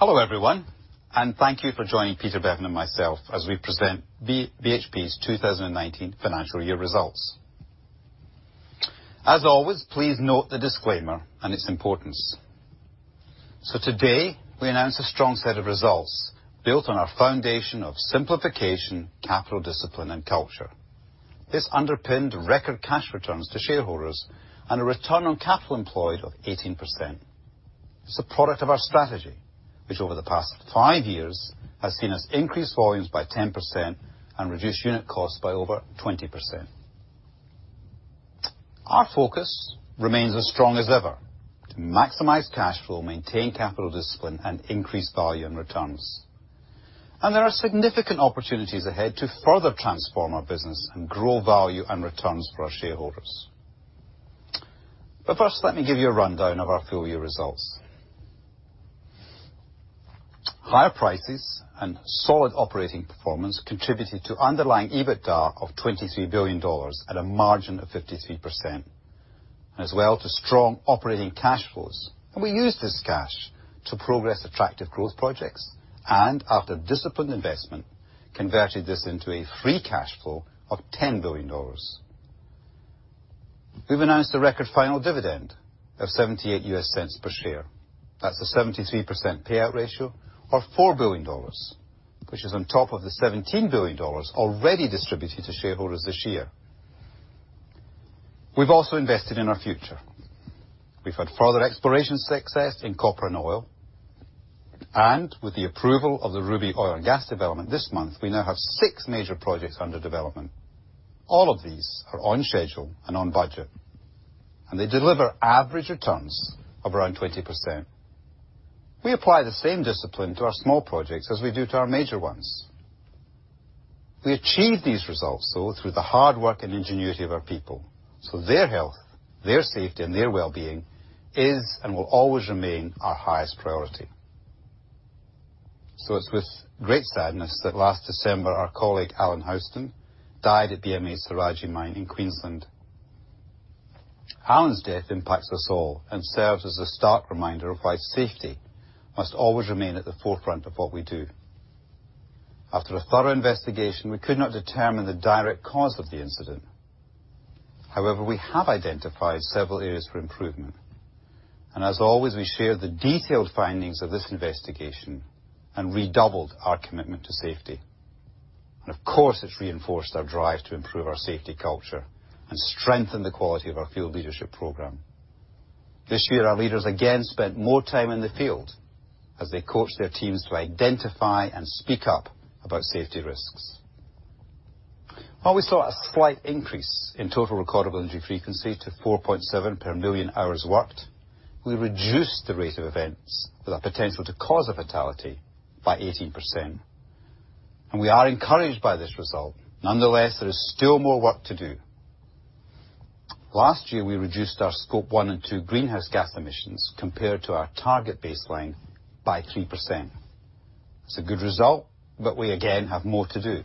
Hello, everyone, and thank you for joining Peter Beaven and myself as we present BHP's 2019 financial year results. As always, please note the disclaimer and its importance. Today, we announce a strong set of results built on our foundation of simplification, capital discipline, and culture. This underpinned record cash returns to shareholders and a return on capital employed of 18%. It's a product of our strategy, which over the past five years has seen us increase volumes by 10% and reduce unit costs by over 20%. Our focus remains as strong as ever to maximize cash flow, maintain capital discipline, and increase value and returns. There are significant opportunities ahead to further transform our business and grow value and returns for our shareholders. First, let me give you a rundown of our full-year results. Higher prices and solid operating performance contributed to underlying EBITDA of $23 billion at a margin of 53%, as well to strong operating cash flows. We used this cash to progress attractive growth projects, and after disciplined investment, converted this into a free cash flow of $10 billion. We've announced a record final dividend of $0.78 per share. That's a 73% payout ratio of $4 billion, which is on top of the $17 billion already distributed to shareholders this year. We've also invested in our future. We've had further exploration success in copper and oil. With the approval of the Ruby oil and gas development this month, we now have six major projects under development. All of these are on schedule and on budget, and they deliver average returns of around 20%. We apply the same discipline to our small projects as we do to our major ones. We achieve these results all through the hard work and ingenuity of our people. Their health, their safety, and their well-being is and will always remain our highest priority. It's with great sadness that last December, our colleague, Allan Houston, died at the BMA's Saraji mine in Queensland. Allan's death impacts us all and serves as a stark reminder of why safety must always remain at the forefront of what we do. After a thorough investigation, we could not determine the direct cause of the incident. However, we have identified several areas for improvement. As always, we share the detailed findings of this investigation and redoubled our commitment to safety. Of course, it's reinforced our drive to improve our safety culture and strengthen the quality of our field leadership program. This year, our leaders again spent more time in the field as they coach their teams to identify and speak up about safety risks. While we saw a slight increase in total recordable injury frequency to 4.7 per million hours worked, we reduced the rate of events with a potential to cause a fatality by 18%. We are encouraged by this result. Nonetheless, there is still more work to do. Last year, we reduced our Scope 1 and 2 greenhouse gas emissions compared to our target baseline by 3%. It's a good result, but we again have more to do.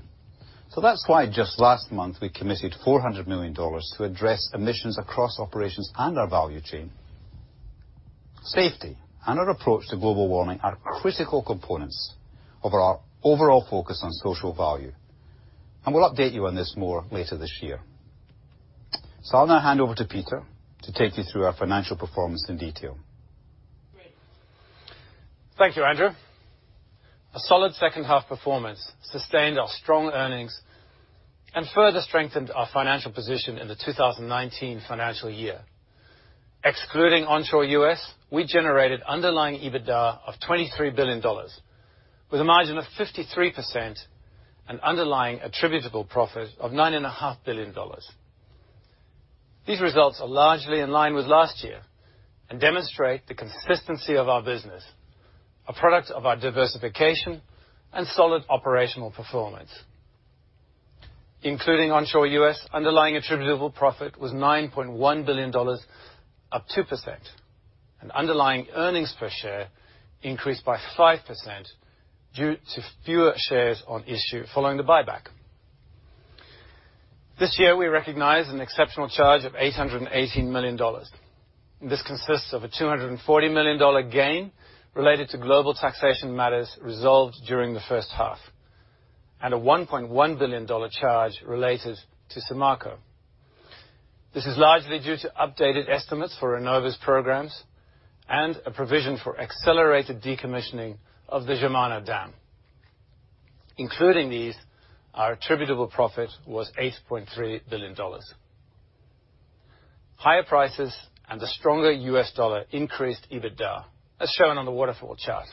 That's why just last month, we committed $400 million to address emissions across operations and our value chain. Safety and our approach to global warming are critical components of our overall focus on social value. We'll update you on this more later this year. I'll now hand over to Peter to take you through our financial performance in detail. Thank you, Andrew. A solid second half performance sustained our strong earnings and further strengthened our financial position in the 2019 financial year. Excluding onshore U.S., we generated underlying EBITDA of $23 billion with a margin of 53% and underlying attributable profit of nine and a half billion dollars. These results are largely in line with last year and demonstrate the consistency of our business, a product of our diversification and solid operational performance. Including onshore U.S., underlying attributable profit was $9.1 billion, up 2%, and underlying earnings per share increased by 5% due to fewer shares on issue following the buyback. This year, we recognized an exceptional charge of $818 million. This consists of a $240 million gain related to global taxation matters resolved during the first half, and a $1.1 billion charge related to Samarco. This is largely due to updated estimates for Renova's programs and a provision for accelerated decommissioning of the Germano Dam. Including these, our attributable profit was $8.3 billion. Higher prices and a stronger U.S. dollar increased EBITDA, as shown on the waterfall chart.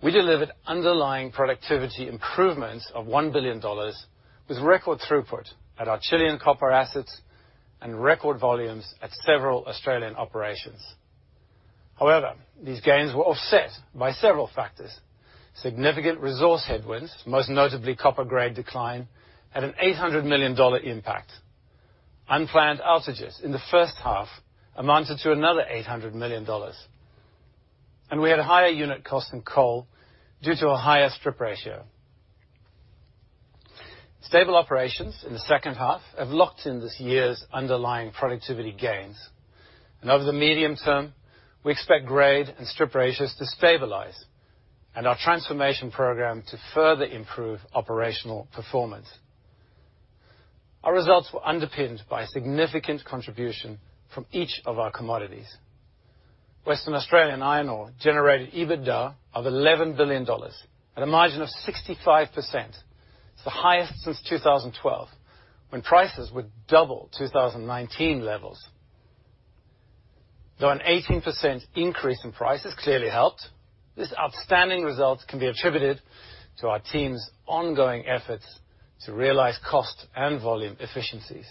We delivered underlying productivity improvements of $1 billion with record throughput at our Chilean copper assets and record volumes at several Australian operations. However, these gains were offset by several factors. Significant resource headwinds, most notably copper grade decline, had an $800 million impact. Unplanned outages in the first half amounted to another $800 million. We had a higher unit cost in coal due to a higher strip ratio. Stable operations in the second half have locked in this year's underlying productivity gains. Over the medium term, we expect grade and strip ratios to stabilize and our transformation program to further improve operational performance. Our results were underpinned by significant contribution from each of our commodities. Western Australia Iron Ore generated EBITDA of $11 billion at a margin of 65%, the highest since 2012, when prices were double 2019 levels. Though an 18% increase in prices clearly helped, this outstanding result can be attributed to our team's ongoing efforts to realize cost and volume efficiencies.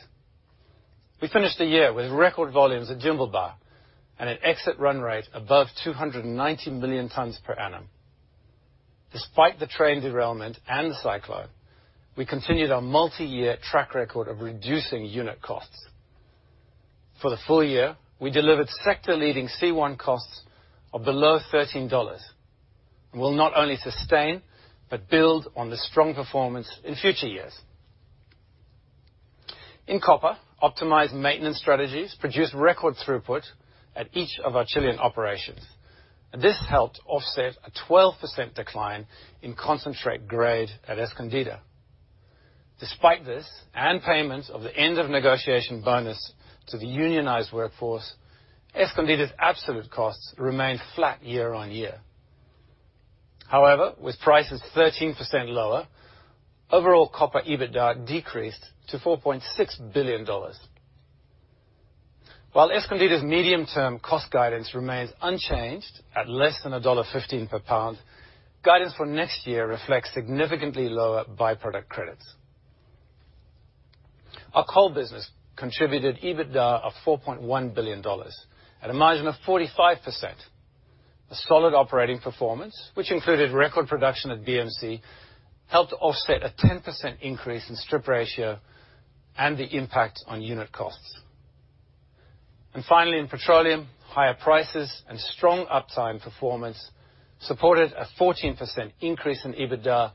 We finished the year with record volumes at Jimblebar and an exit run rate above 290 million tons per annum. Despite the train derailment and the cyclone, we continued our multi-year track record of reducing unit costs. For the full year, we delivered sector-leading C1 costs of below $13.00. We will not only sustain, but build on the strong performance in future years. In copper, optimized maintenance strategies produced record throughput at each of our Chilean operations. This helped offset a 12% decline in concentrate grade at Escondida. Despite this, and payments of the end of negotiation bonus to the unionized workforce, Escondida's absolute costs remained flat year-on-year. However, with prices 13% lower, overall copper EBITDA decreased to $4.6 billion. While Escondida's medium-term cost guidance remains unchanged at less than $1.15 per pound, guidance for next year reflects significantly lower by-product credits. Our coal business contributed EBITDA of $4.1 billion at a margin of 45%. A solid operating performance, which included record production at BMA, helped offset a 10% increase in strip ratio and the impact on unit costs. Finally, in petroleum, higher prices and strong uptime performance supported a 14% increase in EBITDA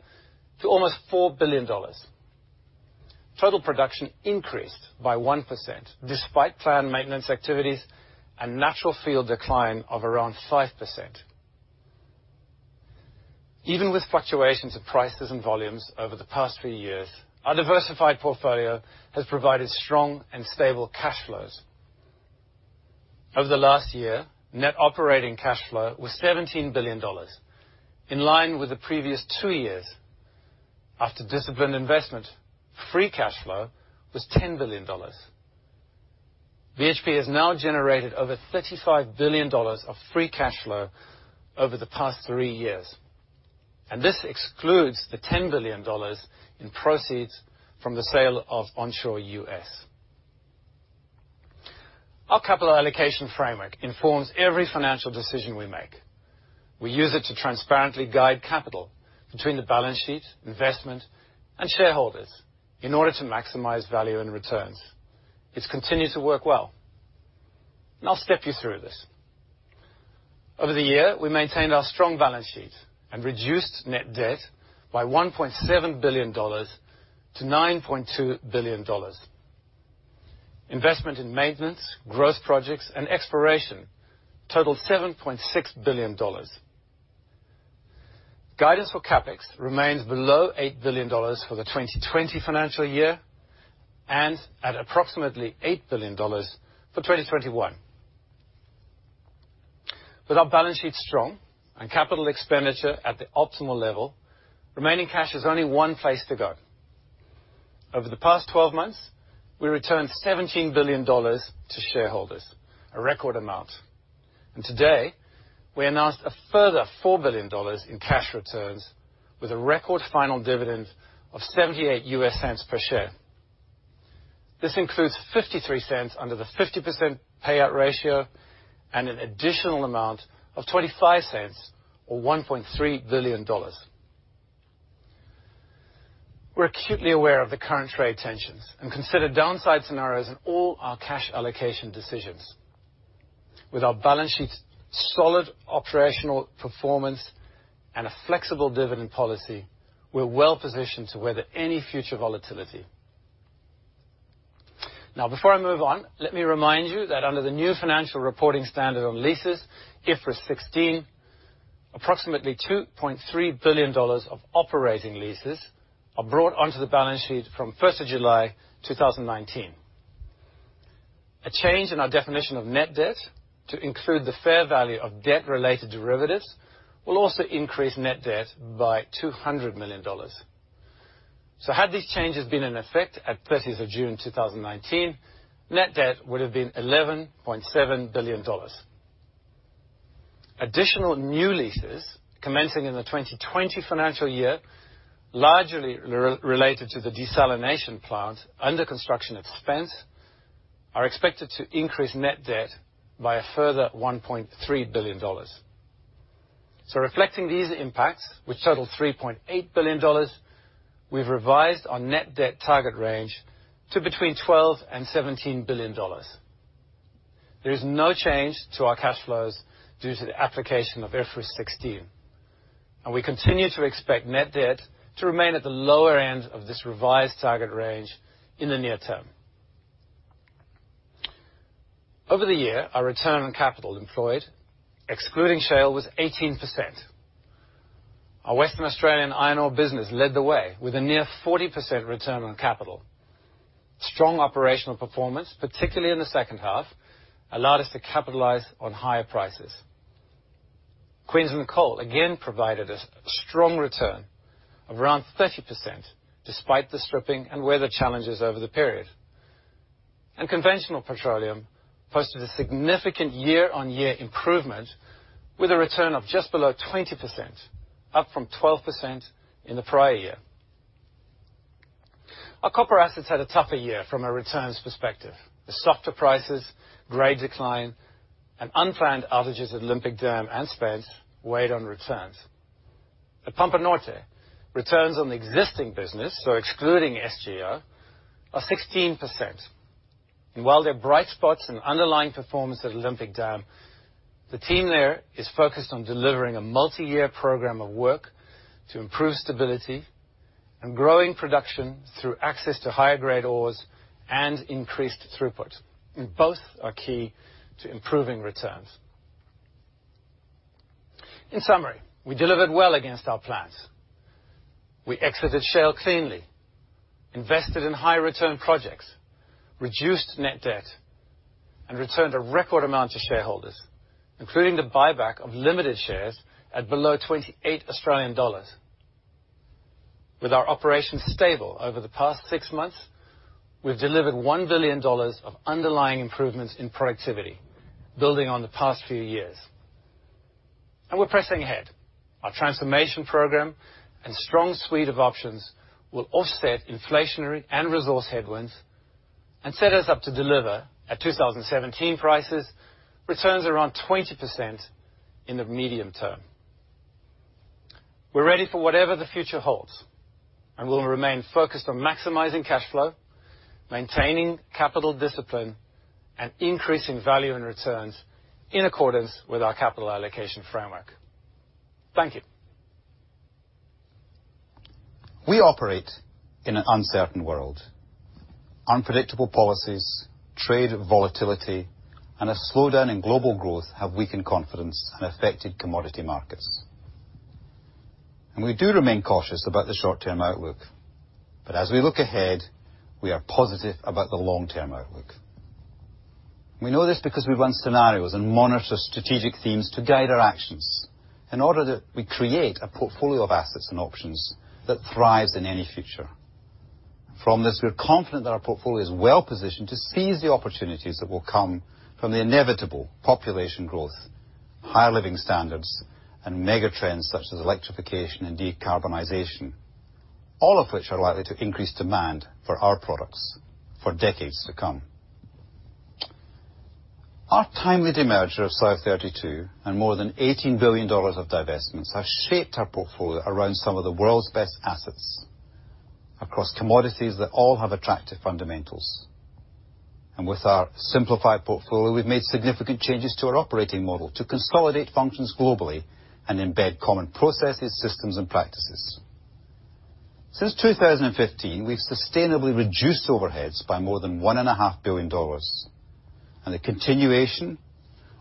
to almost $4 billion. Total production increased by 1%, despite planned maintenance activities and natural field decline of around 5%. Even with fluctuations of prices and volumes over the past few years, our diversified portfolio has provided strong and stable cash flows. Over the last year, net operating cash flow was $17 billion, in line with the previous two years. After disciplined investment, free cash flow was $10 billion. BHP has now generated over $35 billion of free cash flow over the past three years, and this excludes the $10 billion in proceeds from the sale of onshore U.S. Our capital allocation framework informs every financial decision we make. We use it to transparently guide capital between the balance sheet, investment, and shareholders in order to maximize value and returns. It's continued to work well. I'll step you through this. Over the year, we maintained our strong balance sheet and reduced net debt by $1.7 billion to $9.2 billion. Investment in maintenance, growth projects, and exploration totaled $7.6 billion. Guidance for CapEx remains below $8 billion for the 2020 financial year, and at approximately $8 billion for 2021. With our balance sheet strong and capital expenditure at the optimal level, remaining cash has only one place to go. Over the past 12 months, we returned $17 billion to shareholders, a record amount. Today, we announced a further $4 billion in cash returns with a record final dividend of $0.78 per share. This includes $0.53 under the 50% payout ratio and an additional amount of $0.25 or $1.3 billion. We're acutely aware of the current trade tensions and consider downside scenarios in all our cash allocation decisions. With our balance sheet's solid operational performance and a flexible dividend policy, we're well-positioned to weather any future volatility. Before I move on, let me remind you that under the new financial reporting standard on leases, IFRS 16, approximately $2.3 billion of operating leases are brought onto the balance sheet from 1st of July 2019. A change in our definition of net debt to include the fair value of debt-related derivatives will also increase net debt by $200 million. Had these changes been in effect at 30th of June 2019, net debt would have been $11.7 billion. Additional new leases commencing in the 2020 financial year, largely related to the desalination plant under construction at Spence, are expected to increase net debt by a further $1.3 billion. Reflecting these impacts, which total $3.8 billion, we've revised our net debt target range to between $12 billion and $17 billion. There is no change to our cash flows due to the application of IFRS 16, and we continue to expect net debt to remain at the lower end of this revised target range in the near term. Over the year, our return on capital employed, excluding shale, was 18%. Our Western Australia Iron Ore business led the way with a near 40% return on capital. Strong operational performance, particularly in the second half, allowed us to capitalize on higher prices. Queensland Coal again provided us a strong return of around 30%, despite the stripping and weather challenges over the period. Conventional petroleum posted a significant year-on-year improvement with a return of just below 20%, up from 12% in the prior year. Our copper assets had a tougher year from a returns perspective, as softer prices, grade decline, and unplanned outages at Olympic Dam and Spence weighed on returns. At Pampa Norte, returns on the existing business, so excluding SGR, are 16%. While there are bright spots in underlying performance at Olympic Dam, the team there is focused on delivering a multi-year program of work to improve stability and growing production through access to higher-grade ores and increased throughput. Both are key to improving returns. In summary, we delivered well against our plans. We exited shale cleanly, invested in high-return projects, reduced net debt, and returned a record amount to shareholders, including the buyback of limited shares at below AU$28. With our operations stable over the past six months, we've delivered 1 billion dollars of underlying improvements in productivity, building on the past few years. We're pressing ahead. Our transformation program and strong suite of options will offset inflationary and resource headwinds and set us up to deliver, at 2017 prices, returns around 20% in the medium term. We'll remain focused on maximizing cash flow, maintaining capital discipline, and increasing value and returns in accordance with our capital allocation framework. Thank you. We operate in an uncertain world. Unpredictable policies, trade volatility, and a slowdown in global growth have weakened confidence and affected commodity markets. We do remain cautious about the short-term outlook. As we look ahead, we are positive about the long-term outlook. We know this because we run scenarios and monitor strategic themes to guide our actions in order that we create a portfolio of assets and options that thrives in any future. From this, we are confident that our portfolio is well-positioned to seize the opportunities that will come from the inevitable population growth, higher living standards, and mega trends such as electrification and decarbonization, all of which are likely to increase demand for our products for decades to come. Our timely demerger of South32 and more than $18 billion of divestments have shaped our portfolio around some of the world's best assets across commodities that all have attractive fundamentals. With our simplified portfolio, we've made significant changes to our operating model to consolidate functions globally and embed common processes, systems, and practices. Since 2015, we've sustainably reduced overheads by more than $1.5 billion. The continuation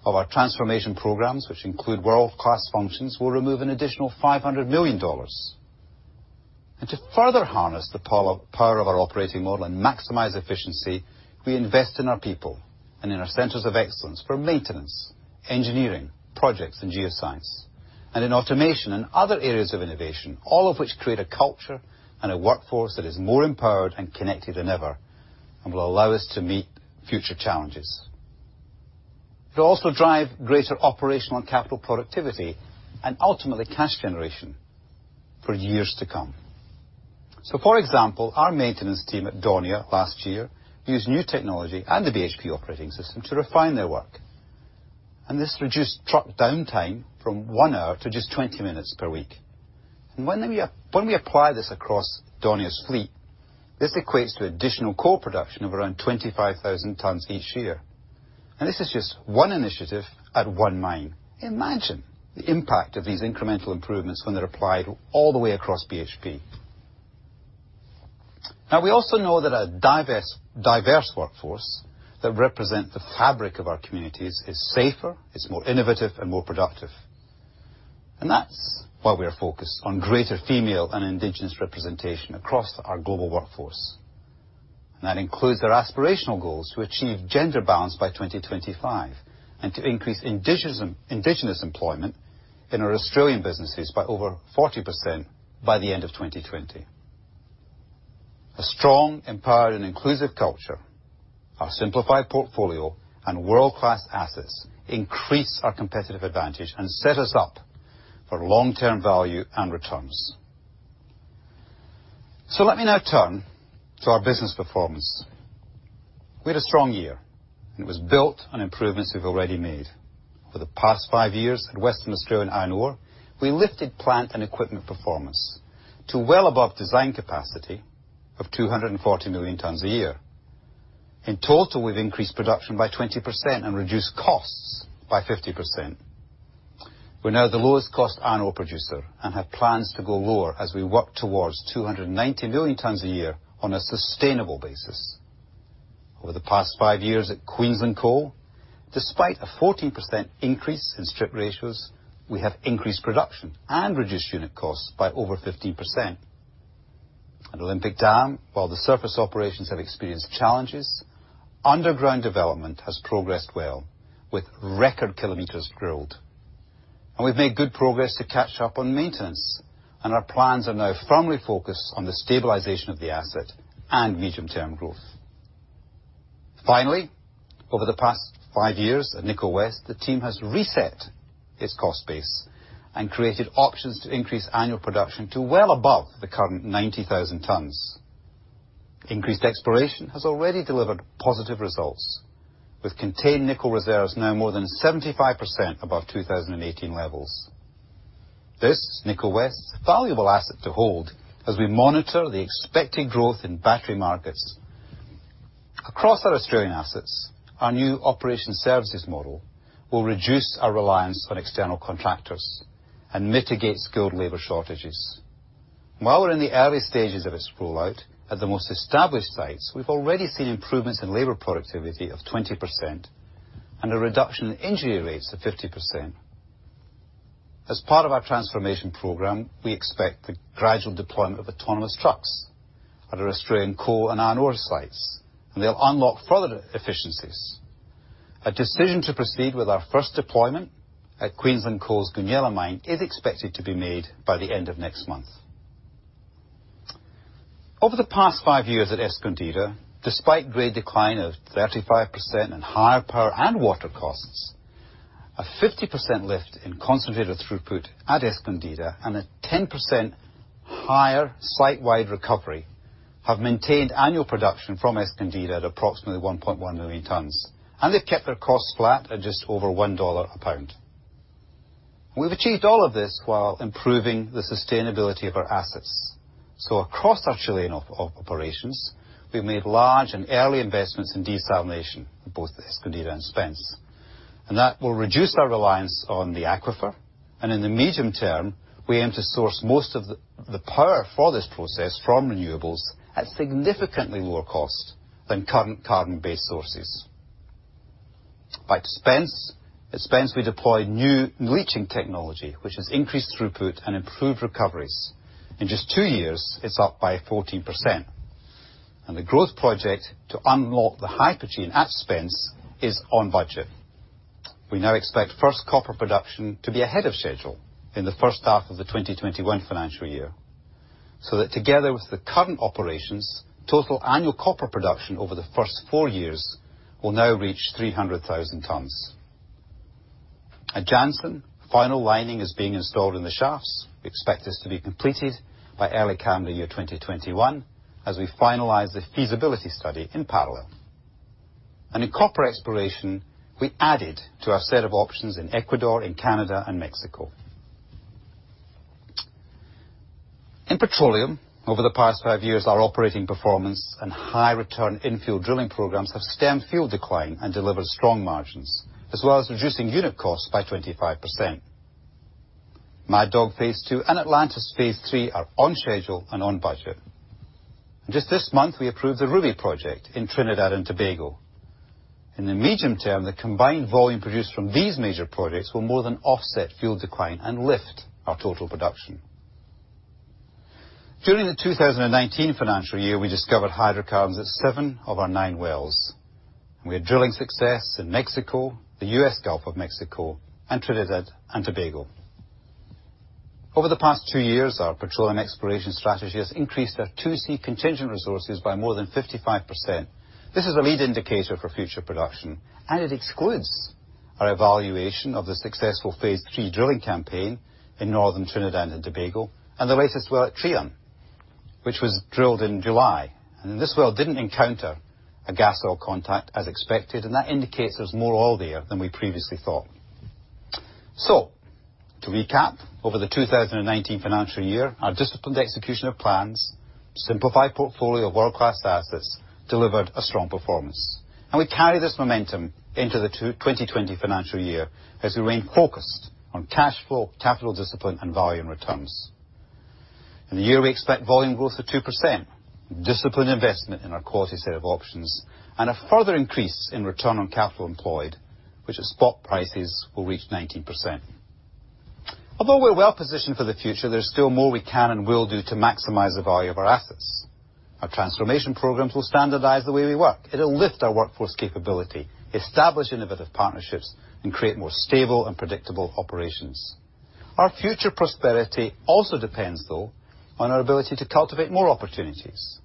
of our transformation programs, which include World Class Functions, will remove an additional $500 million. To further harness the power of our operating model and maximize efficiency, we invest in our people and in our centers of excellence for maintenance, engineering, projects, and geoscience, and in automation and other areas of innovation, all of which create a culture and a workforce that is more empowered and connected than ever and will allow us to meet future challenges. It will also drive greater operational and capital productivity, and ultimately cash generation for years to come. For example, our maintenance team at Daunia last year used new technology and the BHP Operating System to refine their work. This reduced truck downtime from one hour to just 20 minutes per week. When we apply this across Daunia's fleet, this equates to additional coal production of around 25,000 tons each year. This is just one initiative at one mine. Imagine the impact of these incremental improvements when they're applied all the way across BHP. We also know that a diverse workforce that represent the fabric of our communities is safer, it's more innovative, and more productive. That's why we are focused on greater female and indigenous representation across our global workforce. That includes our aspirational goals to achieve gender balance by 2025 and to increase indigenous employment in our Australian businesses by over 40% by the end of 2020. A strong, empowered, and inclusive culture, our simplified portfolio, and world-class assets increase our competitive advantage and set us up for long-term value and returns. Let me now turn to our business performance. We had a strong year, and it was built on improvements we've already made. Over the past five years at Western Australia Iron Ore, we lifted plant and equipment performance to well above design capacity of 240 million tons a year. In total, we've increased production by 20% and reduced costs by 50%. We're now the lowest cost iron ore producer and have plans to go lower as we work towards 290 million tons a year on a sustainable basis. Over the past five years at Queensland Coal, despite a 14% increase in strip ratios, we have increased production and reduced unit costs by over 15%. At Olympic Dam, while the surface operations have experienced challenges, underground development has progressed well with record kilometers drilled. We've made good progress to catch up on maintenance, and our plans are now firmly focused on the stabilization of the asset and medium-term growth. Finally, over the past five years at Nickel West, the team has reset its cost base and created options to increase annual production to well above the current 90,000 tons. Increased exploration has already delivered positive results with contained nickel reserves now more than 75% above 2018 levels. This, Nickel West, is a valuable asset to hold as we monitor the expected growth in battery markets. Across our Australian assets, our new Operations Services model will reduce our reliance on external contractors and mitigate skilled labor shortages. While we're in the early stages of its rollout, at the most established sites, we've already seen improvements in labor productivity of 20% and a reduction in injury rates of 50%. As part of our transformation program, we expect the gradual deployment of autonomous trucks at our Australian coal and iron ore sites. They'll unlock further efficiencies. A decision to proceed with our first deployment at Queensland Coal's Goonyella Mine is expected to be made by the end of next month. Over the past five years at Escondida, despite grade decline of 35% and higher power and water costs, a 50% lift in concentrated throughput at Escondida and a 10% higher site-wide recovery have maintained annual production from Escondida at approximately 1.1 million tons. They've kept their costs flat at just over $1 a pound. We've achieved all of this while improving the sustainability of our assets. Across our Chilean operations, we've made large and early investments in desalination at both Escondida and Spence, and that will reduce our reliance on the aquifer. In the medium term, we aim to source most of the power for this process from renewables at significantly lower cost than current carbon-based sources. At Spence, we deploy new leaching technology, which has increased throughput and improved recoveries. In just two years, it's up by 14%. The growth project to unlock the hypogene at Spence is on budget. We now expect first copper production to be ahead of schedule in the first half of the 2021 financial year, so that together with the current operations, total annual copper production over the first four years will now reach 300,000 tons. At Jansen, final lining is being installed in the shafts. We expect this to be completed by early calendar year 2021 as we finalize the feasibility study in parallel. In copper exploration, we added to our set of options in Ecuador, in Canada, and Mexico. In petroleum, over the past five years, our operating performance and high-return infill drilling programs have stemmed fuel decline and delivered strong margins, as well as reducing unit costs by 25%. Mad Dog Phase 2 and Atlantis Phase 3 are on schedule and on budget. Just this month, we approved the Ruby project in Trinidad and Tobago. In the medium term, the combined volume produced from these major projects will more than offset fuel decline and lift our total production. During the 2019 financial year, we discovered hydrocarbons at seven of our nine wells, and we had drilling success in Mexico, the U.S. Gulf of Mexico, and Trinidad and Tobago. Over the past two years, our petroleum exploration strategy has increased our 2C contingent resources by more than 55%. This is a lead indicator for future production, and it excludes our evaluation of the successful Phase 3 drilling campaign in northern Trinidad and Tobago and the latest well at Trion, which was drilled in July. This well didn't encounter a gas oil contact as expected, and that indicates there's more oil there than we previously thought. To recap, over the 2019 financial year, our disciplined execution of plans, simplified portfolio of world-class assets delivered a strong performance. We carry this momentum into the 2020 financial year as we remain focused on cash flow, capital discipline, and volume returns. In the year, we expect volume growth of 2%, disciplined investment in our quality set of options, and a further increase in return on capital employed, which at spot prices will reach 90%. Although we're well-positioned for the future, there's still more we can and will do to maximize the value of our assets. Our transformation programs will standardize the way we work. It'll lift our workforce capability, establish innovative partnerships, and create more stable and predictable operations. Our future prosperity also depends, though, on our ability to cultivate more opportunities.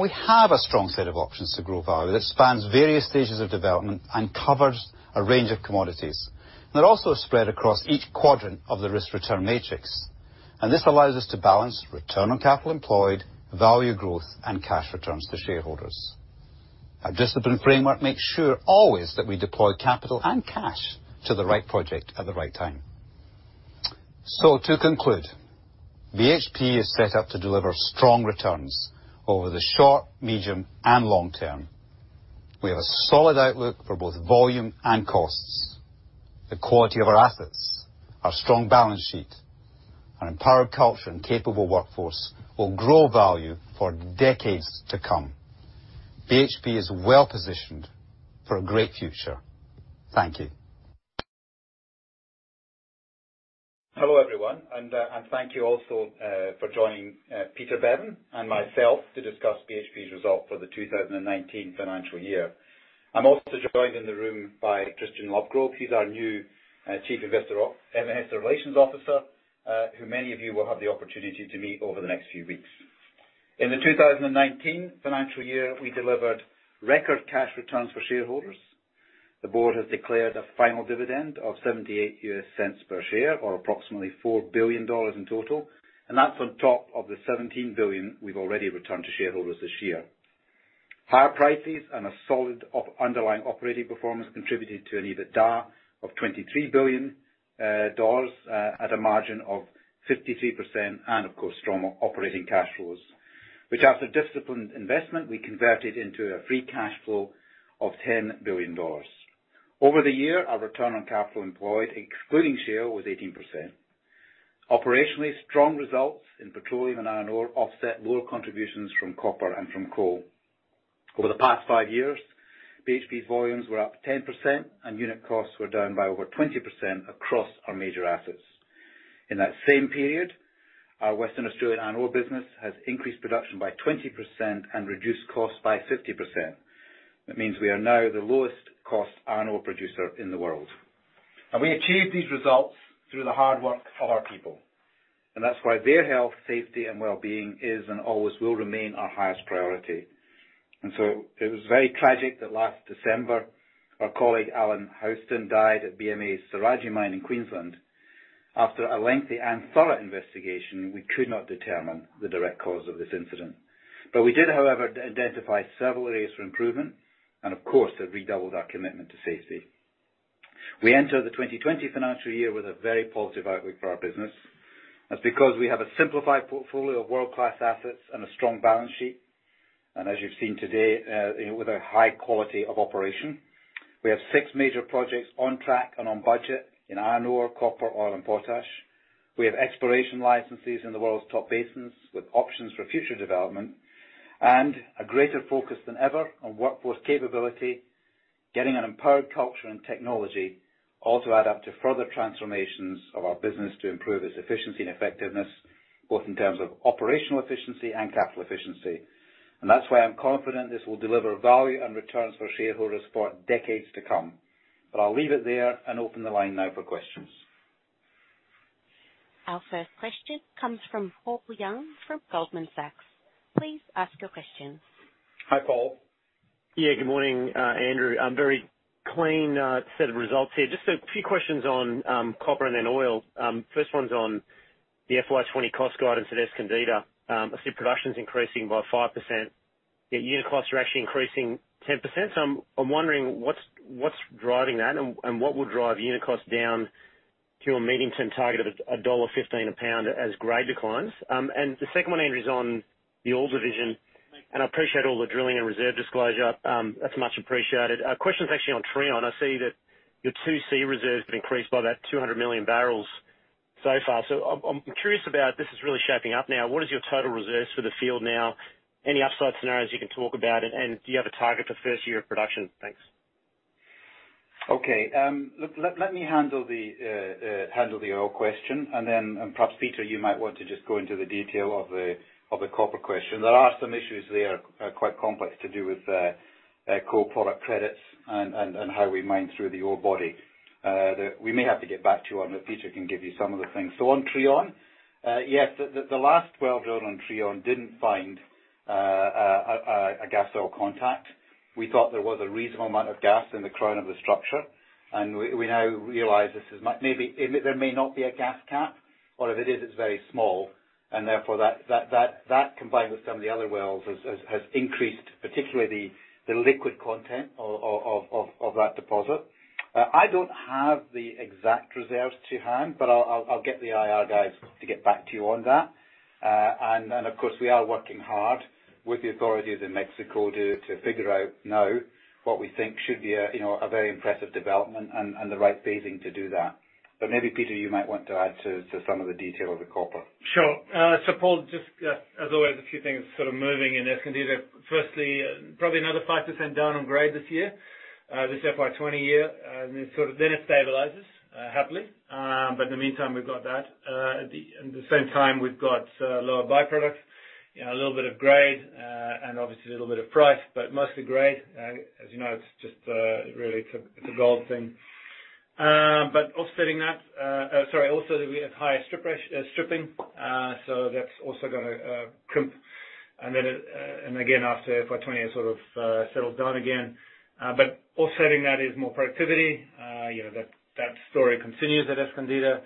We have a strong set of options to grow value that spans various stages of development and covers a range of commodities. They're also spread across each quadrant of the risk-return matrix. This allows us to balance return on capital employed, value growth, and cash returns to shareholders. Our discipline framework makes sure always that we deploy capital and cash to the right project at the right time. To conclude, BHP is set up to deliver strong returns over the short, medium, and long term. We have a solid outlook for both volume and costs. The quality of our assets, our strong balance sheet, our empowered culture, and capable workforce will grow value for decades to come. BHP is well-positioned for a great future. Thank you. Hello, everyone, and thank you also for joining Peter Beaven and myself to discuss BHP's result for the 2019 financial year. I'm also joined in the room by Tristan Lovegrove. He's our new Chief Investor Relations Officer, who many of you will have the opportunity to meet over the next few weeks. In the 2019 financial year, we delivered record cash returns for shareholders. The board has declared a final dividend of $0.78 per share, or approximately $4 billion in total, on top of the $17 billion we've already returned to shareholders this year. Higher prices and a solid underlying operating performance contributed to an EBITDA of $23 billion at a margin of 53%, and of course, strong operating cash flows, which after disciplined investment, we converted into a free cash flow of $10 billion. Over the year, our return on capital employed, excluding share, was 18%. Operationally, strong results in petroleum and iron ore offset lower contributions from copper and from coal. Over the past five years, BHP's volumes were up 10% and unit costs were down by over 20% across our major assets. In that same period, our Western Australia Iron Ore business has increased production by 20% and reduced costs by 50%. That means we are now the lowest cost iron ore producer in the world. We achieved these results through the hard work of our people, and that's why their health, safety, and wellbeing is, and always will remain our highest priority. It was very tragic that last December, our colleague, Allan Houston, died at BMA's Saraji mine in Queensland. After a lengthy and thorough investigation, we could not determine the direct cause of this incident. We did, however, identify several areas for improvement and, of course, have redoubled our commitment to safety. We enter the 2020 financial year with a very positive outlook for our business. That's because we have a simplified portfolio of world-class assets and a strong balance sheet. As you've seen today, with a high quality of operation. We have six major projects on track and on budget in iron ore, copper, oil, and potash. We have exploration licenses in the world's top basins with options for future development, a greater focus than ever on workforce capability, getting an empowered culture and technology, all to add up to further transformations of our business to improve its efficiency and effectiveness, both in terms of operational efficiency and capital efficiency. That's why I'm confident this will deliver value and returns for shareholders for decades to come. I'll leave it there and open the line now for questions. Our first question comes from Paul Young from Goldman Sachs. Please ask your questions. Hi, Paul. Yeah, good morning, Andrew. A very clean set of results here. Just a few questions on copper and then oil. First one's on the FY 2020 cost guidance at Escondida. I see production's increasing by 5%, yet unit costs are actually increasing 10%. I'm wondering what's driving that and what will drive unit costs down to a medium-term target of $1.15 a pound as grade declines? The second one, Andrew, is on the oil division. I appreciate all the drilling and reserve disclosure. That's much appreciated. Question's actually on Trion. I see that your 2C reserves have increased by about 200 million barrels so far. I'm curious about, this is really shaping up now, what is your total reserves for the field now? Any upside scenarios you can talk about? Do you have a target for first year of production? Thanks. Okay. Let me handle the oil question and then perhaps, Peter, you might want to just go into the detail of the copper question. There are some issues there, quite complex, to do with co-product credits and how we mine through the ore body. That we may have to get back to you on, but Peter can give you some of the things. On Trion, yes, the last well drill on Trion didn't find a gas oil contact. We thought there was a reasonable amount of gas in the crown of the structure. We now realize there may not be a gas cap. If it is, it's very small. Therefore, that combined with some of the other wells, has increased, particularly the liquid content of that deposit. I don't have the exact reserves to hand, but I'll get the IR guys to get back to you on that. Of course, we are working hard with the authorities in Mexico to figure out now what we think should be a very impressive development and the right phasing to do that. Maybe, Peter, you might want to add to some of the detail of the copper. Sure. Paul, just as always, a few things sort of moving in Escondida. Firstly, probably another 5% down on grade this year. This FY 2020 year. Then it sort of stabilizes, happily. In the meantime, we've got that. At the same time, we've got lower by-products. A little bit of grade, and obviously a little bit of price, but mostly grade. As you know, it's a gold thing. Offsetting that, also, we have higher stripping, so that's also going to crimp. Again, after FY 2020, it sort of settles down again. Offsetting that is more productivity. Story continues at Escondida,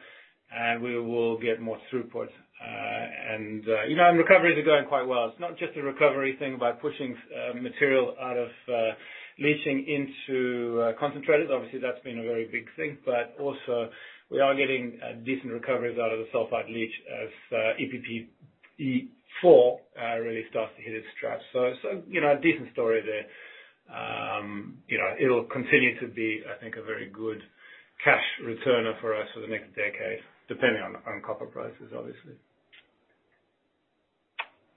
and we will get more throughput. Recoveries are going quite well. It's not just a recovery thing by pushing material out of leaching into concentrates. Obviously, that's been a very big thing. Also, we are getting decent recoveries out of the sulfide leach as EPP4 really starts to hit its straps. A decent story there. It'll continue to be, I think, a very good cash returner for us for the next decade, depending on copper prices, obviously.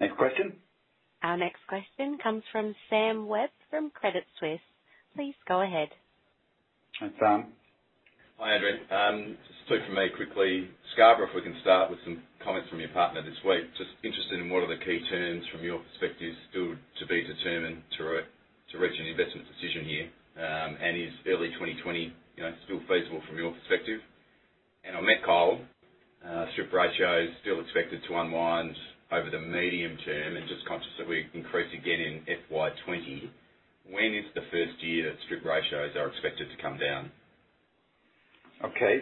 Next question. Our next question comes from Sam Webb from Credit Suisse. Please go ahead. Hi, Sam. Hi, Andrew. Just two from me quickly. Scarborough, if we can start with some comments from your partner this week. Just interested in what are the key terms from your perspective still to be determined to reach an investment decision here. Is early 2020 still feasible from your perspective? On Met Coal, strip ratios still expected to unwind over the medium term and just conscious that we increase again in FY 2020. When is the first year that strip ratios are expected to come down? Okay.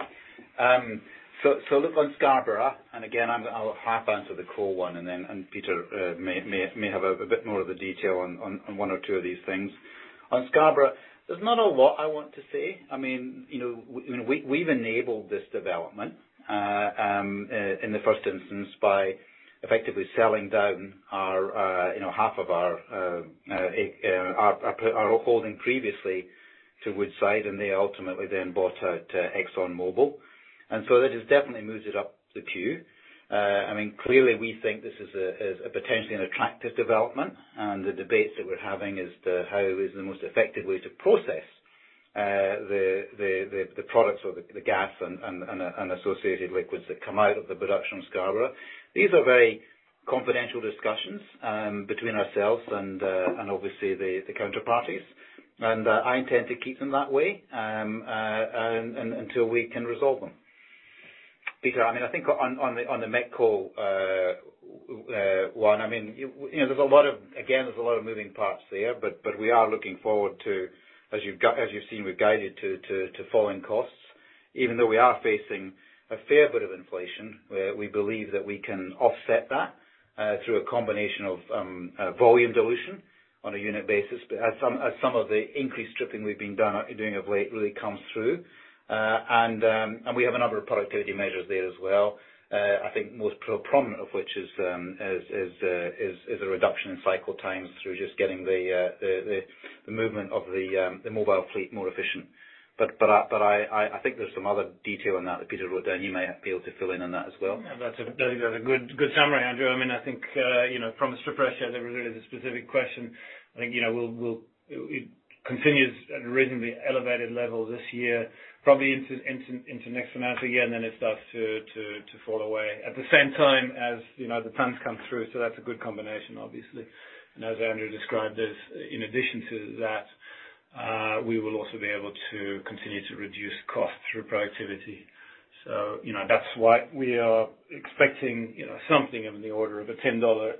Look, on Scarborough, again, I'll half answer the core one, and Peter may have a bit more of the detail on one or two of these things. On Scarborough, there's not a lot I want to say. We've enabled this development in the first instance by effectively selling down half of our holding previously to Woodside. They ultimately then bought out ExxonMobil. That just definitely moves it up the queue. Clearly, we think this is potentially an attractive development. The debates that we're having is how is the most effective way to process the products or the gas and associated liquids that come out of the production of Scarborough. These are very confidential discussions between ourselves and obviously the counterparties. I intend to keep them that way until we can resolve them. Peter, I think on the Met Coal one, again, there's a lot of moving parts there, but we are looking forward to, as you've seen, we've guided to falling costs. Even though we are facing a fair bit of inflation, we believe that we can offset that through a combination of volume dilution on a unit basis as some of the increased stripping we've been doing of late really comes through. We have a number of productivity measures there as well. I think most prominent of which is a reduction in cycle times through just getting the movement of the mobile fleet more efficient. I think there's some other detail on that Peter wrote down. He may be able to fill in on that as well. That's a good summary, Andrew. I think from a strip ratio, there really is a specific question. I think it continues at a reasonably elevated level this year, probably into next financial year, and then it starts to fall away. At the same time, as the tons come through, that's a good combination, obviously. As Andrew described this, in addition to that, we will also be able to continue to reduce costs through productivity. That's why we are expecting something in the order of a $10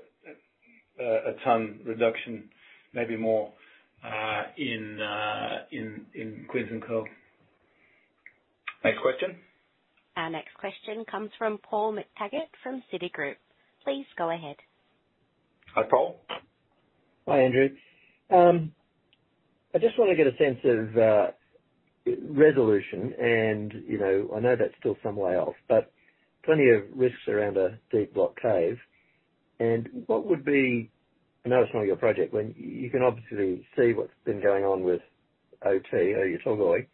a ton reduction, maybe more, in Queensland Coal. Next question. Our next question comes from Paul McTaggart from Citigroup. Please go ahead. Hi, Paul. Hi, Andrew. I just want to get a sense of resolution, and I know that's still some way off, but plenty of risks around a deep block cave. What would be, I know it's not your project, when you can obviously see what's been going on with OT, Oyu Tolgoi,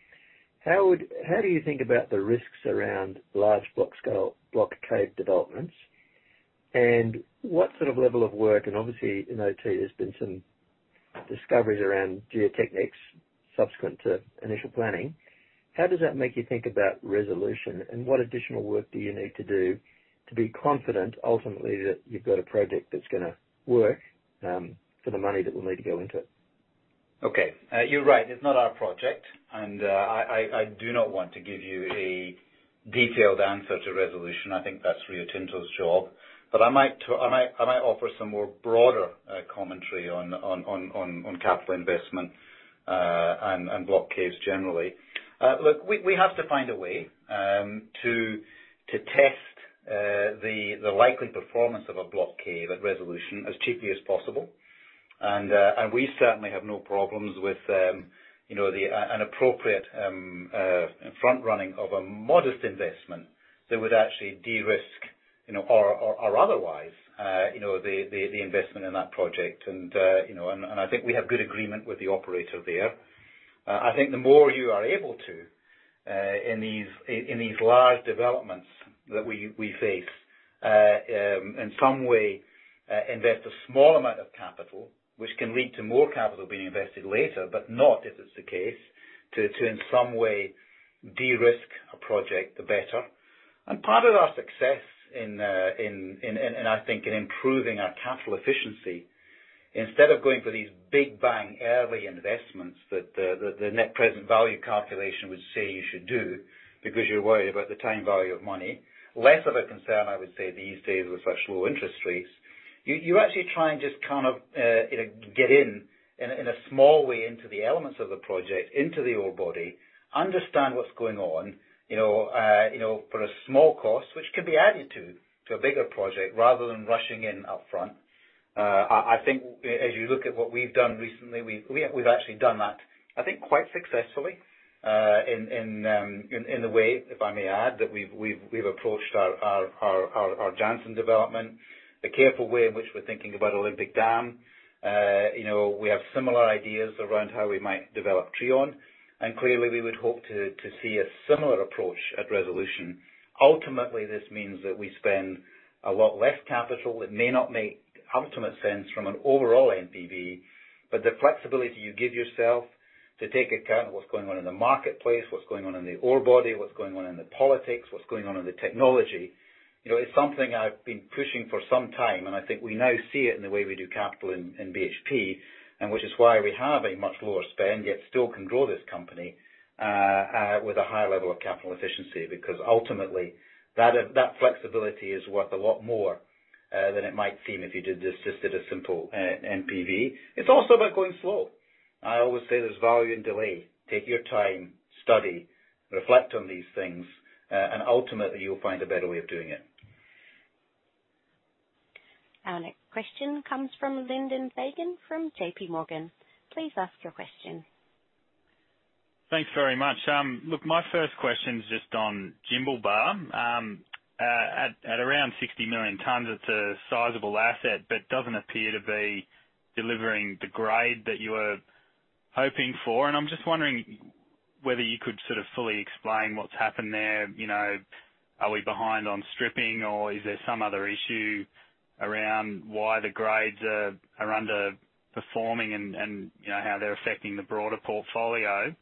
how do you think about the risks around large block cave developments? What sort of level of work, and obviously in OT, there's been some discoveries around geotechnics subsequent to initial planning. How does that make you think about resolution, and what additional work do you need to do to be confident ultimately that you've got a project that's going to work for the money that will need to go into it? Okay. You're right. It's not our project, and I do not want to give you a detailed answer to resolution. I think that's Rio Tinto's job. I might offer some more broader commentary on capital investment and block caves generally. Look, we have to find a way to test the likely performance of a block cave at resolution as cheaply as possible. We certainly have no problems with an appropriate front-running of a modest investment that would actually de-risk or otherwise the investment in that project. I think we have good agreement with the operator there. I think the more you are able to, in these large developments that we face, in some way invest a small amount of capital, which can lead to more capital being invested later, but not if it's the case to, in some way, de-risk a project, the better. Part of our success in, I think, improving our capital efficiency, instead of going for these big bang early investments that the net present value calculation would say you should do because you're worried about the time value of money, less of a concern, I would say, these days with such low interest rates. You actually try and just get in a small way, into the elements of the project, into the ore body, understand what's going on for a small cost, which could be added to a bigger project rather than rushing in upfront. I think as you look at what we've done recently, we've actually done that, I think, quite successfully in the way, if I may add, that we've approached our Jansen development. The careful way in which we're thinking about Olympic Dam. We have similar ideas around how we might develop Trion. Clearly, we would hope to see a similar approach at Resolution. Ultimately, this means that we spend a lot less capital. It may not make ultimate sense from an overall NPV, but the flexibility you give yourself to take account of what's going on in the marketplace, what's going on in the ore body, what's going on in the politics, what's going on in the technology, it's something I've been pushing for some time. I think we now see it in the way we do capital in BHP, and which is why we have a much lower spend, yet still can grow this company with a high level of capital efficiency. Ultimately, that flexibility is worth a lot more than it might seem if you just did a simple NPV. It's also about going slow. I always say there's value in delay. Take your time, study, reflect on these things, and ultimately, you'll find a better way of doing it. Our next question comes from Lyndon Fagan from J.P. Morgan. Please ask your question. Thanks very much. My first question is just on Jimblebar. At around 60 million tonnes, it's a sizable asset, but doesn't appear to be delivering the grade that you were hoping for. I'm just wondering whether you could fully explain what's happened there. Are we behind on stripping or is there some other issue around why the grades are underperforming and how they're affecting the broader portfolio?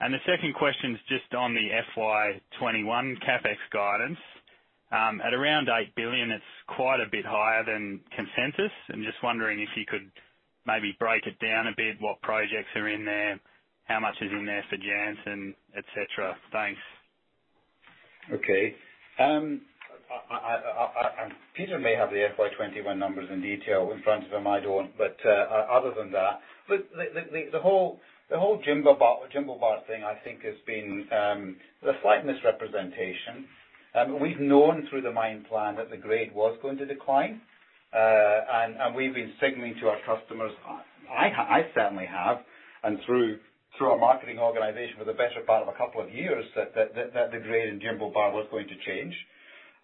The second question is just on the FY 2021 CapEx guidance. At around $8 billion, it's quite a bit higher than consensus. I'm just wondering if you could maybe break it down a bit, what projects are in there, how much is in there for Jansen, et cetera. Thanks. Okay. Peter may have the FY 2021 numbers in detail in front of him. I don't. Other than that, look, the whole Jimblebar thing, I think, has been a slight misrepresentation. We've known through the mine plan that the grade was going to decline. We've been signaling to our customers, I certainly have, and through our marketing organization for the better part of a couple of years, that the grade in Jimblebar was going to change.